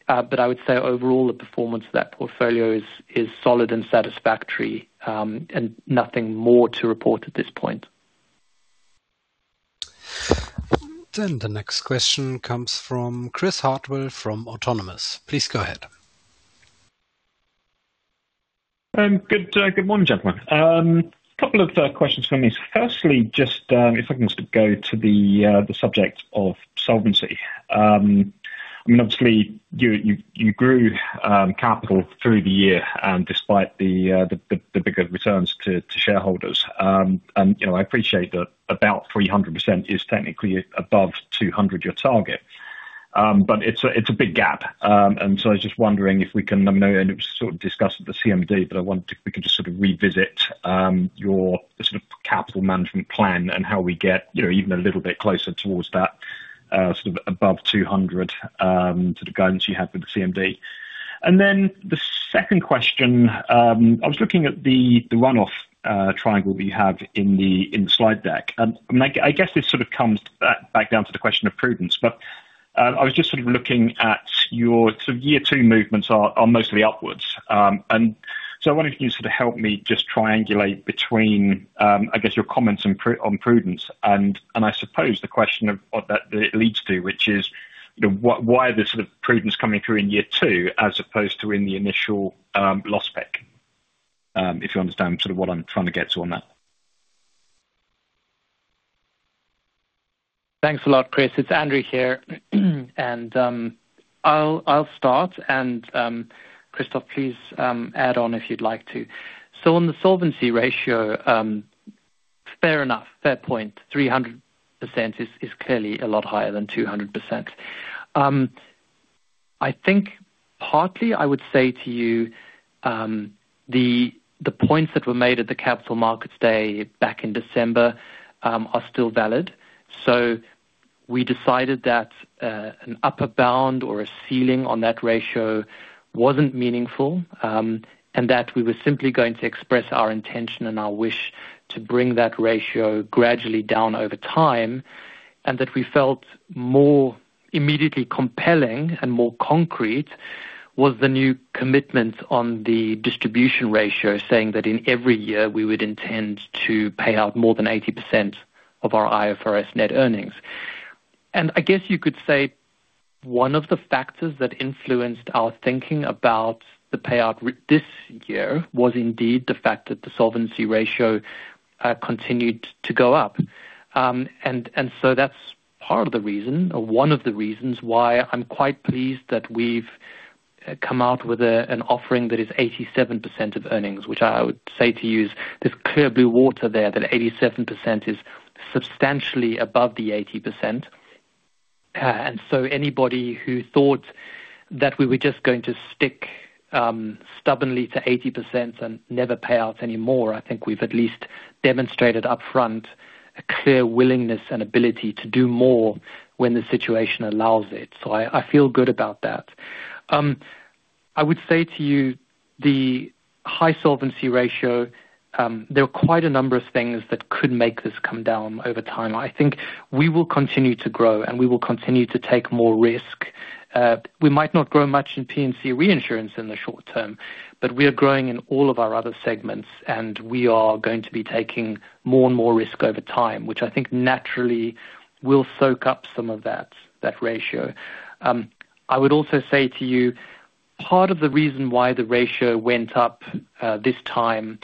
but I would say overall, the performance of that portfolio is solid and satisfactory, and nothing more to report at this point. The next question comes from Chris Hartwell from Autonomous. Please go ahead. Good morning, gentlemen. A couple of questions from me. Firstly, just, if I can just go to the subject of solvency. I mean, obviously, you grew capital through the year, despite the bigger returns to shareholders. You know, I appreciate that about 300% is technically above 200%, your target, but it's a big gap. I was just wondering if we can, I know it was sort of discussed at the CMD, but I wanted if we could just sort of revisit your sort of capital management plan and how we get, you know, even a little bit closer towards that sort of above 200% to the guidance you had with the CMD. The second question, I was looking at the run-off triangle that you have in the slide deck. I guess this sort of comes back down to the question of prudence, but I was just sort of looking at your sort of year two movements are mostly upwards. I wondered if you sort of help me just triangulate between, I guess, your comments on prudence. I suppose the question of what that leads to, which is, you know, why the sort of prudence coming through in year 2 as opposed to in the initial loss spec? If you understand sort of what I'm trying to get to on that? Thanks a lot, Chris. It's Andre here. I'll start, and Christoph, please, add on if you'd like to. On the Solvency Ratio, fair enough, fair point, 300% is clearly a lot higher than 200%. I think partly I would say to you, the points that were made at the Capital Markets Day back in December, are still valid. We decided that an upper bound or a ceiling on that ratio wasn't meaningful, and that we were simply going to express our intention and our wish to bring that ratio gradually down over time, and that we felt more immediately compelling and more concrete was the new commitment on the distribution ratio, saying that in every year we would intend to pay out more than 80% of our IFRS net earnings. I guess you could say one of the factors that influenced our thinking about the payout this year was indeed the fact that the solvency ratio continued to go up. That's part of the reason or one of the reasons why I'm quite pleased that we've come out with an offering that is 87% of earnings, which I would say to you, there's clear blue water there, that 87% is substantially above the 80%. Anybody who thought that we were just going to stick stubbornly to 80% and never pay out any more, I think we've at least demonstrated upfront a clear willingness and ability to do more when the situation allows it. I feel good about that. I would say to you, the high solvency ratio, there are quite a number of things that could make this come down over time. I think we will continue to grow, and we will continue to take more risk. We might not grow much in P&C Reinsurance in the short term, but we are growing in all of our other segments, and we are going to be taking more and more risk over time, which I think naturally will soak up some of that ratio. I would also say to you, part of the reason why the ratio went up, this time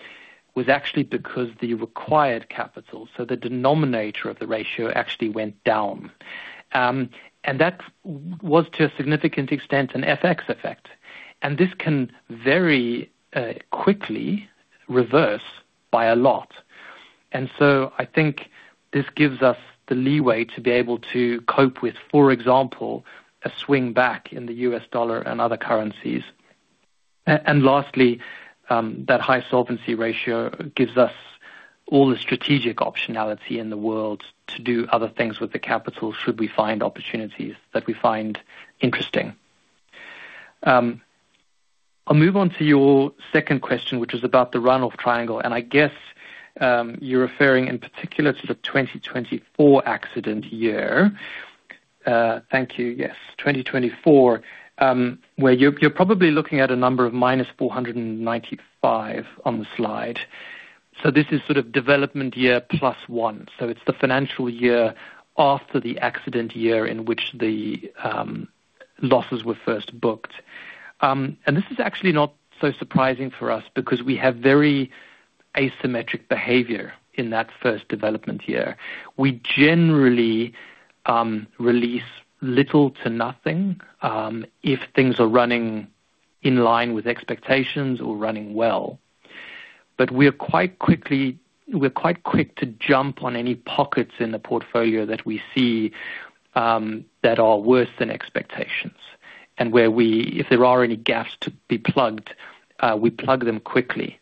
was actually because the required capital, so the denominator of the ratio actually went down. That was, to a significant extent, an FX effect. This can very quickly reverse by a lot. I think this gives us the leeway to be able to cope with, for example, a swing back in the US dollar and other currencies. Lastly, that high solvency ratio gives us all the strategic optionality in the world to do other things with the capital, should we find opportunities that we find interesting. I'll move on to your second question, which is about the run-off triangle, I guess, you're referring in particular to the 2024 accident year. Thank you. Yes, 2024, where you're probably looking at a number of -495 on the slide. This is sort of development year plus one. It's the financial year after the accident year in which the losses were first booked. This is actually not so surprising for us because we have very asymmetric behavior in that first development year. We generally release little to nothing, if things are running in line with expectations or running well. We are quite quick to jump on any pockets in the portfolio that we see, that are worse than expectations, and where we, if there are any gaps to be plugged, we plug them quickly.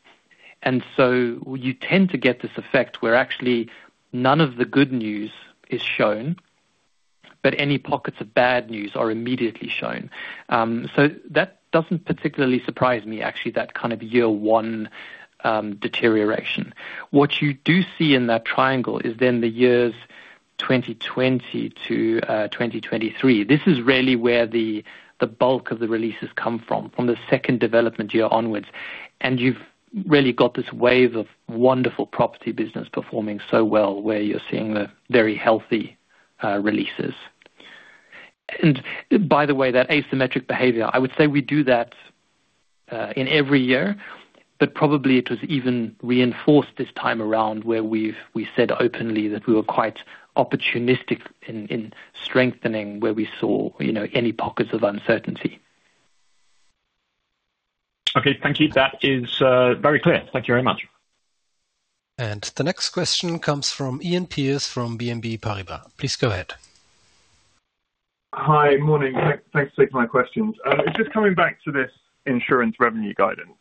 You tend to get this effect where actually none of the good news is shown, but any pockets of bad news are immediately shown. That doesn't particularly surprise me, actually, that kind of year 1 deterioration. What you do see in that triangle is the years 2020 to 2023. This is really where the bulk of the releases come from the second development year onwards. You've really got this wave of wonderful property business performing so well, where you're seeing the very healthy releases. By the way, that asymmetric behavior, I would say we do that in every year, but probably it was even reinforced this time around where we said openly that we were quite opportunistic in strengthening where we saw, you know, any pockets of uncertainty. Okay, thank you. That is very clear. Thank you very much. The next question comes from Iain Pearce, from BNP Paribas. Please go ahead. Hi. Morning. Thanks for taking my questions. It's just coming back to this insurance revenue guidance.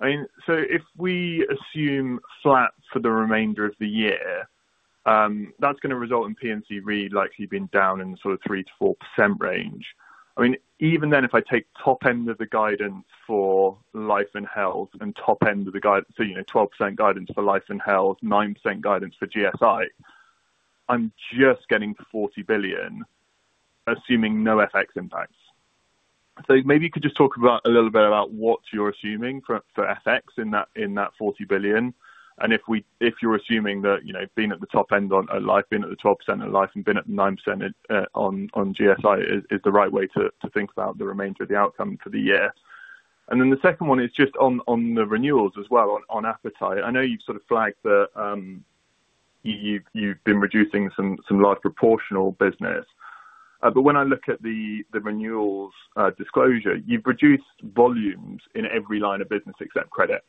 I mean, if we assume flat for the remainder of the year, that's gonna result in P&C Re, likely been down in the sort of 3%-4% range. I mean, even then, if I take top end of the guidance for Life and Health, and top end of the guide, so you know, 12% guidance for Life and Health, 9% guidance for GSI, I'm just getting to 40 billion, assuming no FX impacts. Maybe you could just talk a little bit about what you're assuming for FX in that 40 billion. If we, if you're assuming that, you know, being at the top end on Life, being at the 12% on life and being at 9% on GSI is the right way to think about the remainder of the outcome for the year. The second one is just on the renewals as well, on appetite. I know you've sort of flagged that you've been reducing some large proportional business. When I look at the renewals disclosure, you've reduced volumes in every line of business except credit.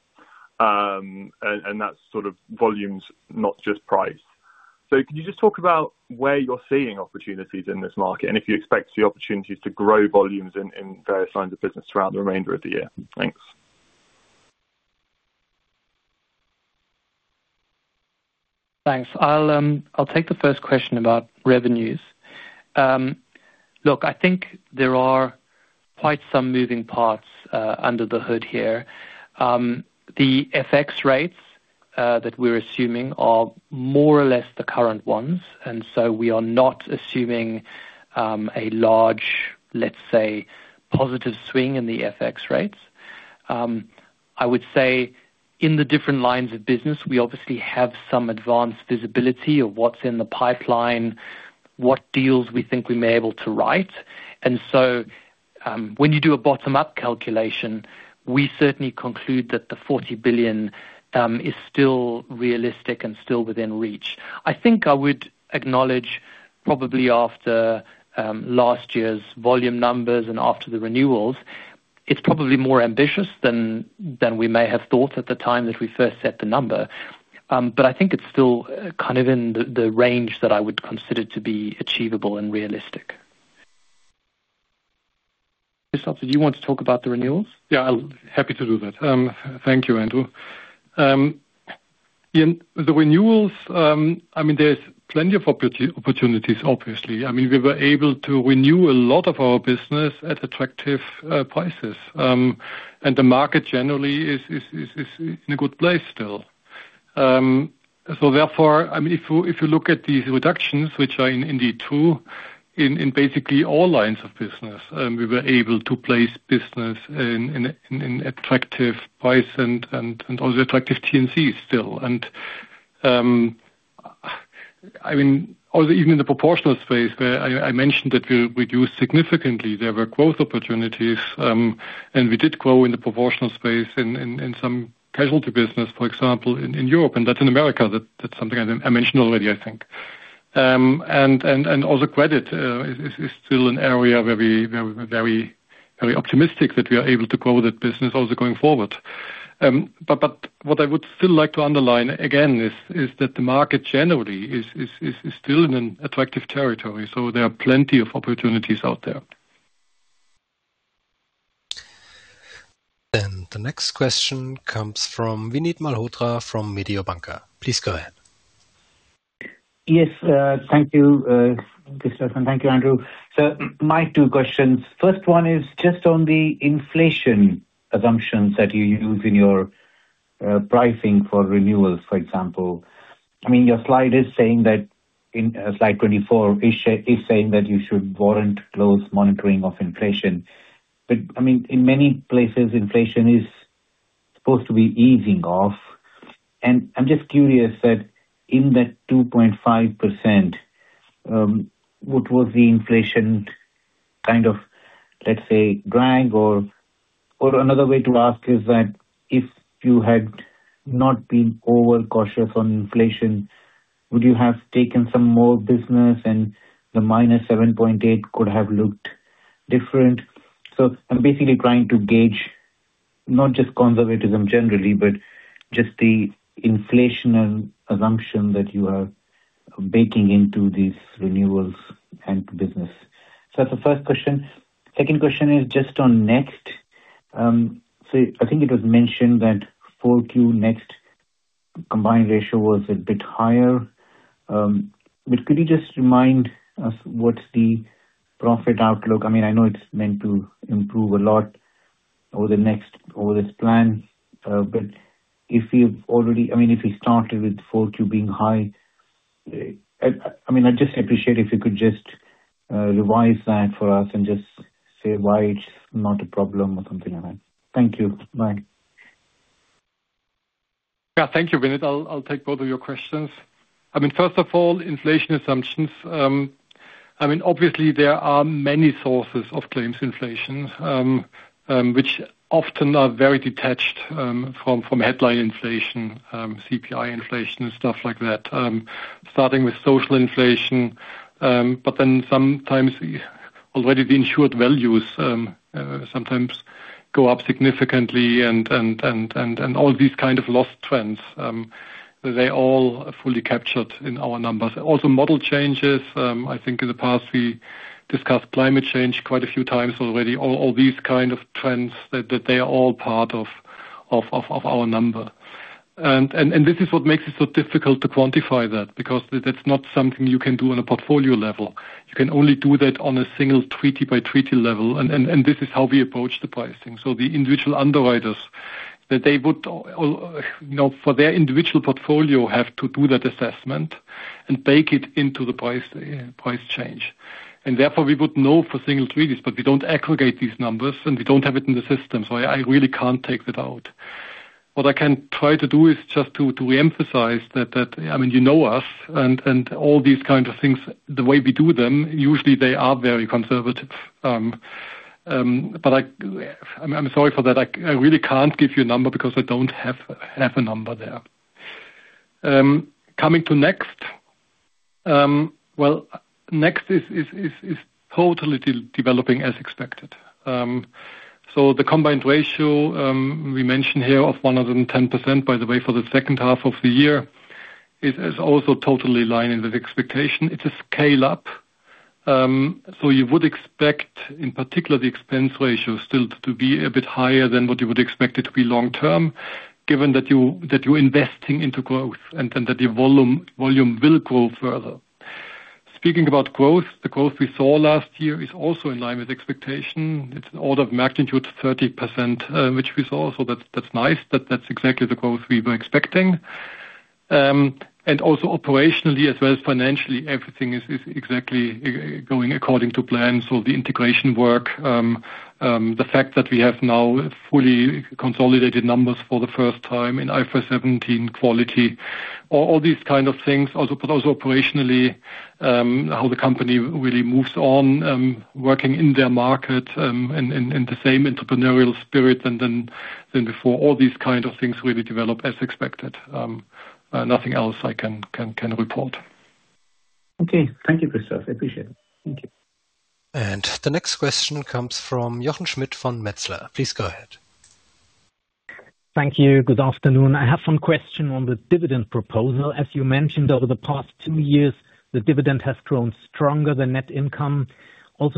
That's sort of volumes, not just price. Can you just talk about where you're seeing opportunities in this market, and if you expect to see opportunities to grow volumes in various lines of business throughout the remainder of the year? Thanks. Thanks. I'll take the first question about revenues. Look, I think there are quite some moving parts under the hood here. The FX rates that we're assuming are more or less the current ones, and so we are not assuming a large, let's say, positive swing in the FX rates. I would say in the different lines of business, we obviously have some advanced visibility of what's in the pipeline, what deals we think we may able to write. When you do a bottom-up calculation, we certainly conclude that the 40 billion is still realistic and still within reach. I think I would acknowledge probably after last year's volume numbers and after the renewals, it's probably more ambitious than we may have thought at the time that we first set the number. I think it's still kind of in the range that I would consider to be achievable and realistic. Christoph, do you want to talk about the renewals? Yeah, I'll happy to do that. Thank you, Andrew. In the renewals, I mean, there's plenty of opportunities, obviously. I mean, we were able to renew a lot of our business at attractive prices. The market generally is in a good place still. Therefore, I mean, if you, if you look at these reductions, which are indeed true, in basically all lines of business, we were able to place business in attractive price and also attractive T&Cs still. I mean, or even in the proportional space, where I mentioned that we reduced significantly, there were growth opportunities, and we did grow in the proportional space in some casualty business, for example, in Europe, and that's in America. That's something I mentioned already, I think. Also credit is still an area where we're very, very optimistic that we are able to grow that business also going forward. What I would still like to underline again is that the market generally is still in an attractive territory, so there are plenty of opportunities out there. The next question comes from Vinit Malhotra from Mediobanca. Please go ahead. Thank you, Christoph, and thank you, Andrew. My two questions. First one is just on the inflation assumptions that you use in your pricing for renewals, for example. I mean, your slide is saying that in, slide 24, is saying that you should warrant close monitoring of inflation. I mean, in many places inflation is supposed to be easing off. I'm just curious that in that 2.5%, what was the inflation kind of, let's say, drag? Or another way to ask is that if you had not been overcautious on inflation, would you have taken some more business and the -7.8 could have looked different? I'm basically trying to gauge not just conservatism generally, but just the inflation assumption that you are baking into these renewals and business. That's the first question. Second question is just on NEXT. I think it was mentioned that 4Q NEXT combined ratio was a bit higher. Could you just remind us what's the profit outlook? I mean, I know it's meant to improve a lot over the next, over this plan, but if you started with Q4 being high, I mean, I'd just appreciate if you could just revise that for us and just say why it's not a problem or something like that. Thank you. Bye. Yeah, thank you, Vinit. I'll take both of your questions. I mean, first of all, inflation assumptions. I mean, obviously there are many sources of claims inflation, which often are very detached from headline inflation, CPI inflation and stuff like that. Starting with social inflation, but then sometimes already the insured values, sometimes go up significantly and all these kind of loss trends, they're all fully captured in our numbers. Also, model changes. I think in the past, we discussed climate change quite a few times already. All these kind of trends, they are all part of our number. This is what makes it so difficult to quantify that, because that's not something you can do on a portfolio level. You can only do that on a single treaty by treaty level, and this is how we approach the pricing. The individual underwriters, that they would you know, for their individual portfolio, have to do that assessment and bake it into the price change. Therefore, we would know for single treaties, but we don't aggregate these numbers, and we don't have it in the system, so I really can't take that out. What I can try to do is just to reemphasize that, I mean, you know us, and all these kind of things, the way we do them, usually they are very conservative. I'm sorry for that, I really can't give you a number because I don't have a number there. Coming to NEXT. Well, NEXT is totally developing as expected. The combined ratio we mentioned here of 110%, by the way, for the H2 of the year, it is also totally in line with expectation. It's a scale up, you would expect, in particular, the expense ratio still to be a bit higher than what you would expect it to be long term, given that you're investing into growth and then that the volume will grow further. Speaking about growth, the growth we saw last year is also in line with expectation. It's an order of magnitude 30% which we saw, that's nice. That's exactly the growth we were expecting. Operationally as well as financially, everything is exactly going according to plan. The integration work, the fact that we have now fully consolidated numbers for the first time in IFRS 17 quality, all these kind of things. Also operationally, how the company really moves on, working in their market, and the same entrepreneurial spirit than before. All these kind of things really develop as expected. Nothing else I can report. Okay. Thank you, Christoph. I appreciate it. Thank you. The next question comes from Jochen Schmitt for Metzler. Please go ahead. Thank you. Good afternoon. I have one question on the dividend proposal. As you mentioned, over the past two years, the dividend has grown stronger than net income.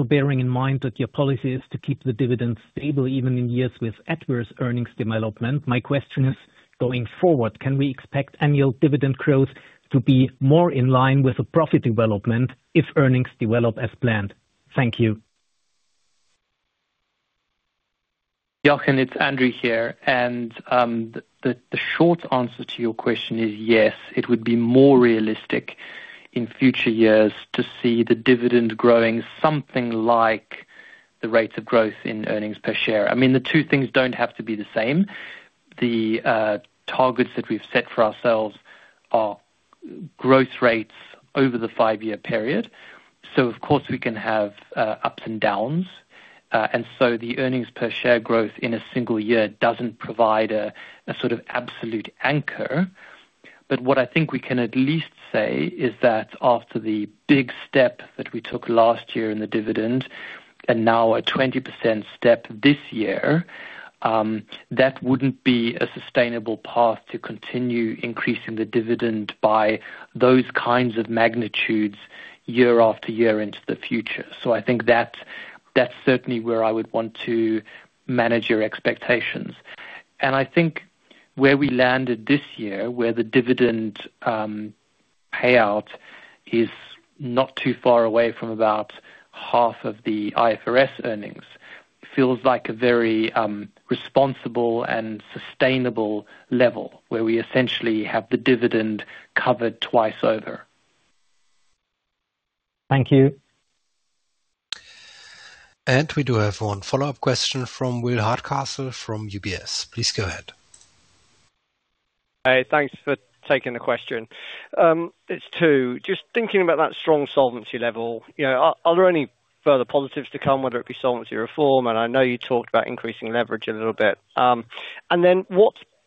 Bearing in mind that your policy is to keep the dividend stable, even in years with adverse earnings development. My question is, going forward, can we expect annual dividend growth to be more in line with the profit development if earnings develop as planned? Thank you. Jochen, it's Andrew here, the short answer to your question is yes, it would be more realistic in future years to see the dividend growing something like the rates of growth in earnings per share. I mean, the two things don't have to be the same. The targets that we've set for ourselves are growth rates over the five-year period, of course, we can have ups and downs. The earnings per share growth in a single year doesn't provide a sort of absolute anchor. What I think we can at least say is that after the big step that we took last year in the dividend, and now a 20% step this year, that wouldn't be a sustainable path to continue increasing the dividend by those kinds of magnitudes year after year into the future. I think that's certainly where I would want to manage your expectations. I think where we landed this year, where the dividend payout is not too far away from about half of the IFRS earnings, feels like a very responsible and sustainable level, where we essentially have the dividend covered twice over. Thank you. We do have one follow-up question from Will Hardcastle from UBS. Please go ahead. Hey, thanks for taking the question. It's two. Just thinking about that strong Solvency level, you know, are there any further positives to come, whether it be solvency reform? I know you talked about increasing leverage a little bit.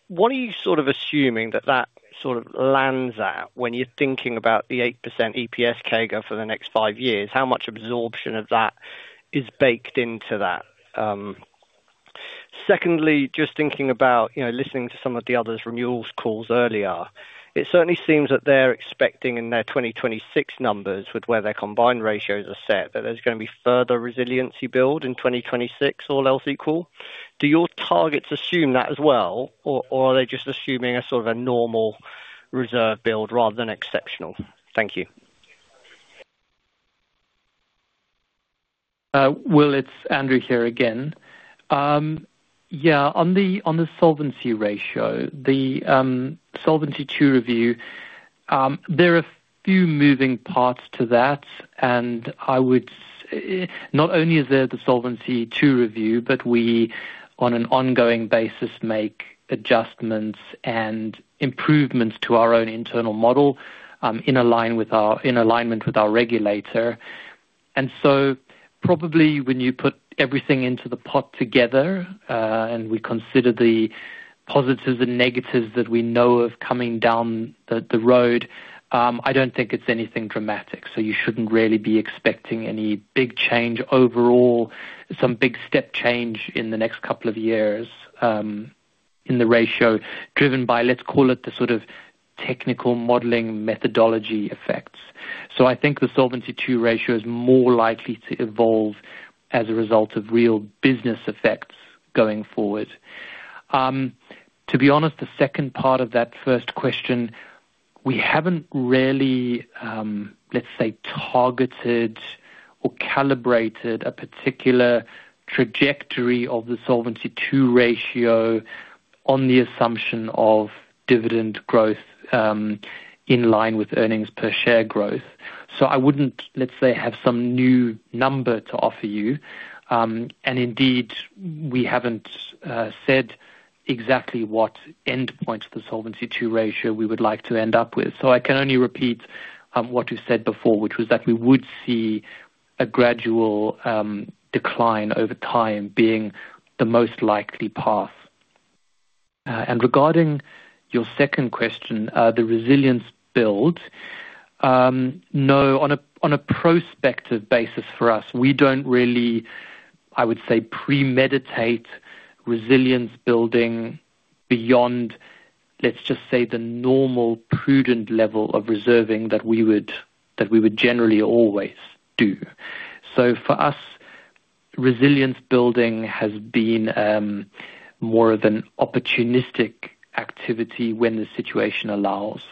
What are you sort of assuming that that sort of lands at when you're thinking about the 8% EPS CAGR for the next five years? How much absorption of that is baked into that? Secondly, just thinking about, you know, listening to some of the others from your calls earlier, it certainly seems that they're expecting in their 2026 numbers, with where their combined ratios are set, that there's gonna be further resiliency build in 2026, all else equal. Do your targets assume that as well, or are they just assuming a sort of a normal reserve build rather than exceptional? Thank you. Will, it's Andrew here again. On the, on the solvency ratio, the Solvency II review, there are a few moving parts to that, not only is there the Solvency II review, but we, on an ongoing basis, make adjustments and improvements to our own internal model, in alignment with our regulator. Probably when you put everything into the pot together, and we consider the positives and negatives that we know of coming down the road, I don't think it's anything dramatic. You shouldn't really be expecting any big change overall, some big step change in the next couple of years, in the ratio, driven by, let's call it, the sort of technical modeling methodology effects. I think the Solvency II ratio is more likely to evolve as a result of real business effects going forward. To be honest, the second part of that first question, we haven't really, let's say, targeted or calibrated a particular trajectory of the Solvency II ratio on the assumption of dividend growth in line with earnings per share growth. I wouldn't, let's say, have some new number to offer you. Indeed, we haven't said exactly what endpoint of the Solvency II ratio we would like to end up with. I can only repeat what you said before, which was that we would see a gradual decline over time being the most likely path. Regarding your second question, the resilience build, no, on a prospective basis for us, we don't really, I would say, premeditate resilience building beyond, let's just say, the normal prudent level of reserving that we would generally always do. For us, resilience building has been more of an opportunistic activity when the situation allows.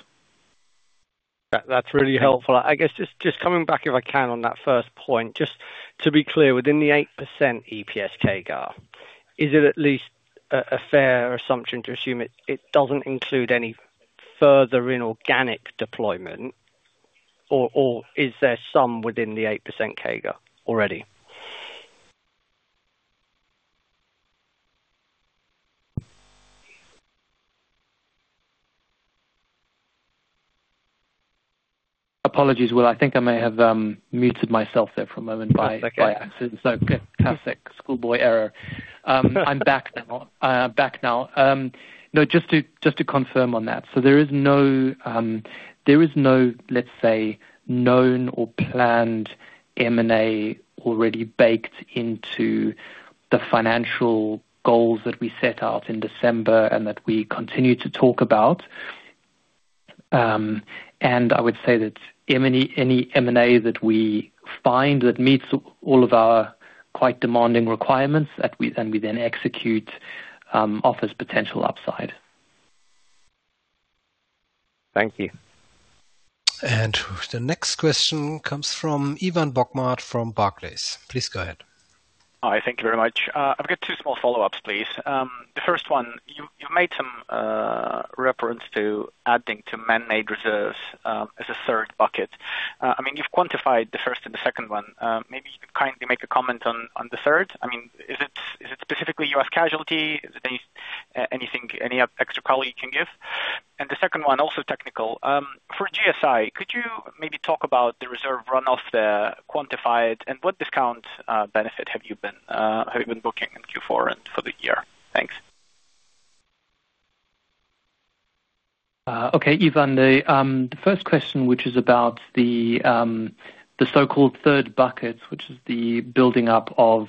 That's really helpful. I guess just coming back, if I can, on that first point, just to be clear, within the 8% EPS CAGR, is it at least a fair assumption to assume it doesn't include any further inorganic deployment, or is there some within the 8% CAGR already? Apologies, Will. I think I may have muted myself there for a moment. That's okay. Classic schoolboy error. I'm back now. Just to confirm on that. There is no, let's say, known or planned M&A already baked into the financial goals that we set out in December and that we continue to talk about. I would say that M&A, any M&A that we find that meets all of our quite demanding requirements, that we then execute, offers potential upside. Thank you. The next question comes from Ivan Bokhmat from Barclays. Please go ahead. Hi, thank you very much. I've got two small follow-ups, please. The first one, you made some reference to adding to man-made reserves as a third bucket. I mean, you've quantified the first and the second one. Maybe you could kindly make a comment on the third? I mean, specifically, US casualty, is there anything extra color you can give? The second one, also technical, for GSI, could you maybe talk about the reserve runoff, quantified, and what discount benefit have you been booking in Q4 and for the year? Thanks. Okay, Ivan, the first question, which is about the so-called third bucket, which is the building up of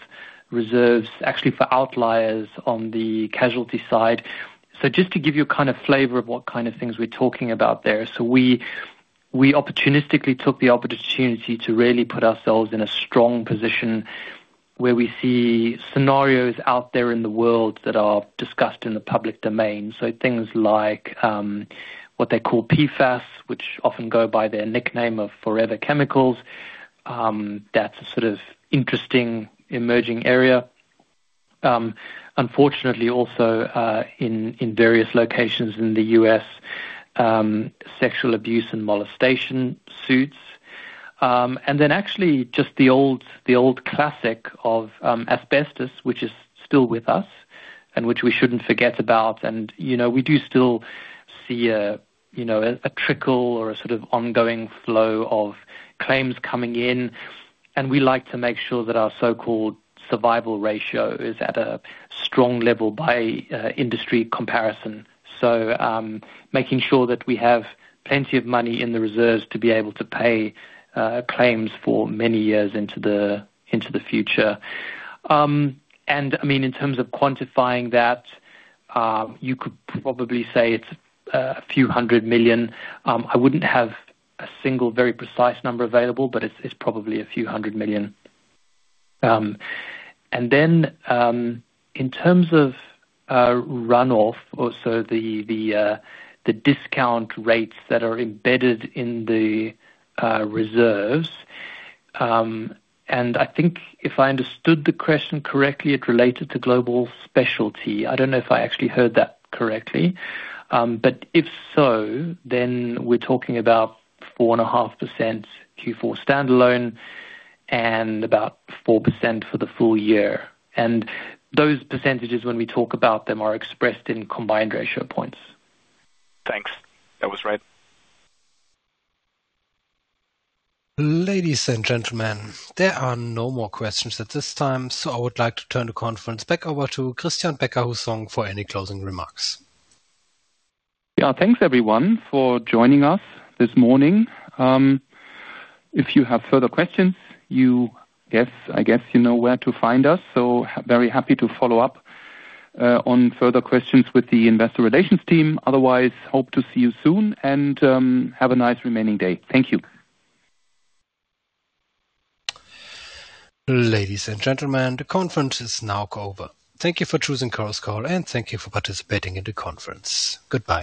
reserves, actually for outliers on the casualty side. Just to give you a kind of flavor of what kind of things we're talking about there. We opportunistically took the opportunity to really put ourselves in a strong position where we see scenarios out there in the world that are discussed in the public domain. Things like, what they call PFAS, which often go by their nickname of Forever Chemicals. That's a sort of interesting emerging area. Unfortunately, also, in various locations in the US, sexual abuse and molestation suits. Then actually just the old classic of asbestos, which is still with us, and which we shouldn't forget about. You know, we do still see a, you know, a trickle or a sort of ongoing flow of claims coming in, and we like to make sure that our so-called survival ratio is at a strong level by industry comparison. Making sure that we have plenty of money in the reserves to be able to pay claims for many years into the future. I mean, in terms of quantifying that, you could probably say it's a few hundred million. I wouldn't have a single, very precise number available, but it's probably a few hundred million. Then, in terms of runoff, also the discount rates that are embedded in the reserves, and I think if I understood the question correctly, it related to Global Specialty. I don't know if I actually heard that correctly. If so, then we're talking about 4.5% Q4 standalone, and about 4% for the full year. Those percentages, when we talk about them, are expressed in combined ratio points. Thanks. That was right. Ladies and gentlemen, there are no more questions at this time, so I would like to turn the conference back over to Christian Becker-Hussong for any closing remarks. Thanks, everyone, for joining us this morning. If you have further questions, I guess you know where to find us, so very happy to follow up on further questions with the investor relations team. Hope to see you soon, have a nice remaining day. Thank you. Ladies and gentlemen, the conference is now over. Thank you for choosing Chorus Call, and thank you for participating in the conference. Goodbye.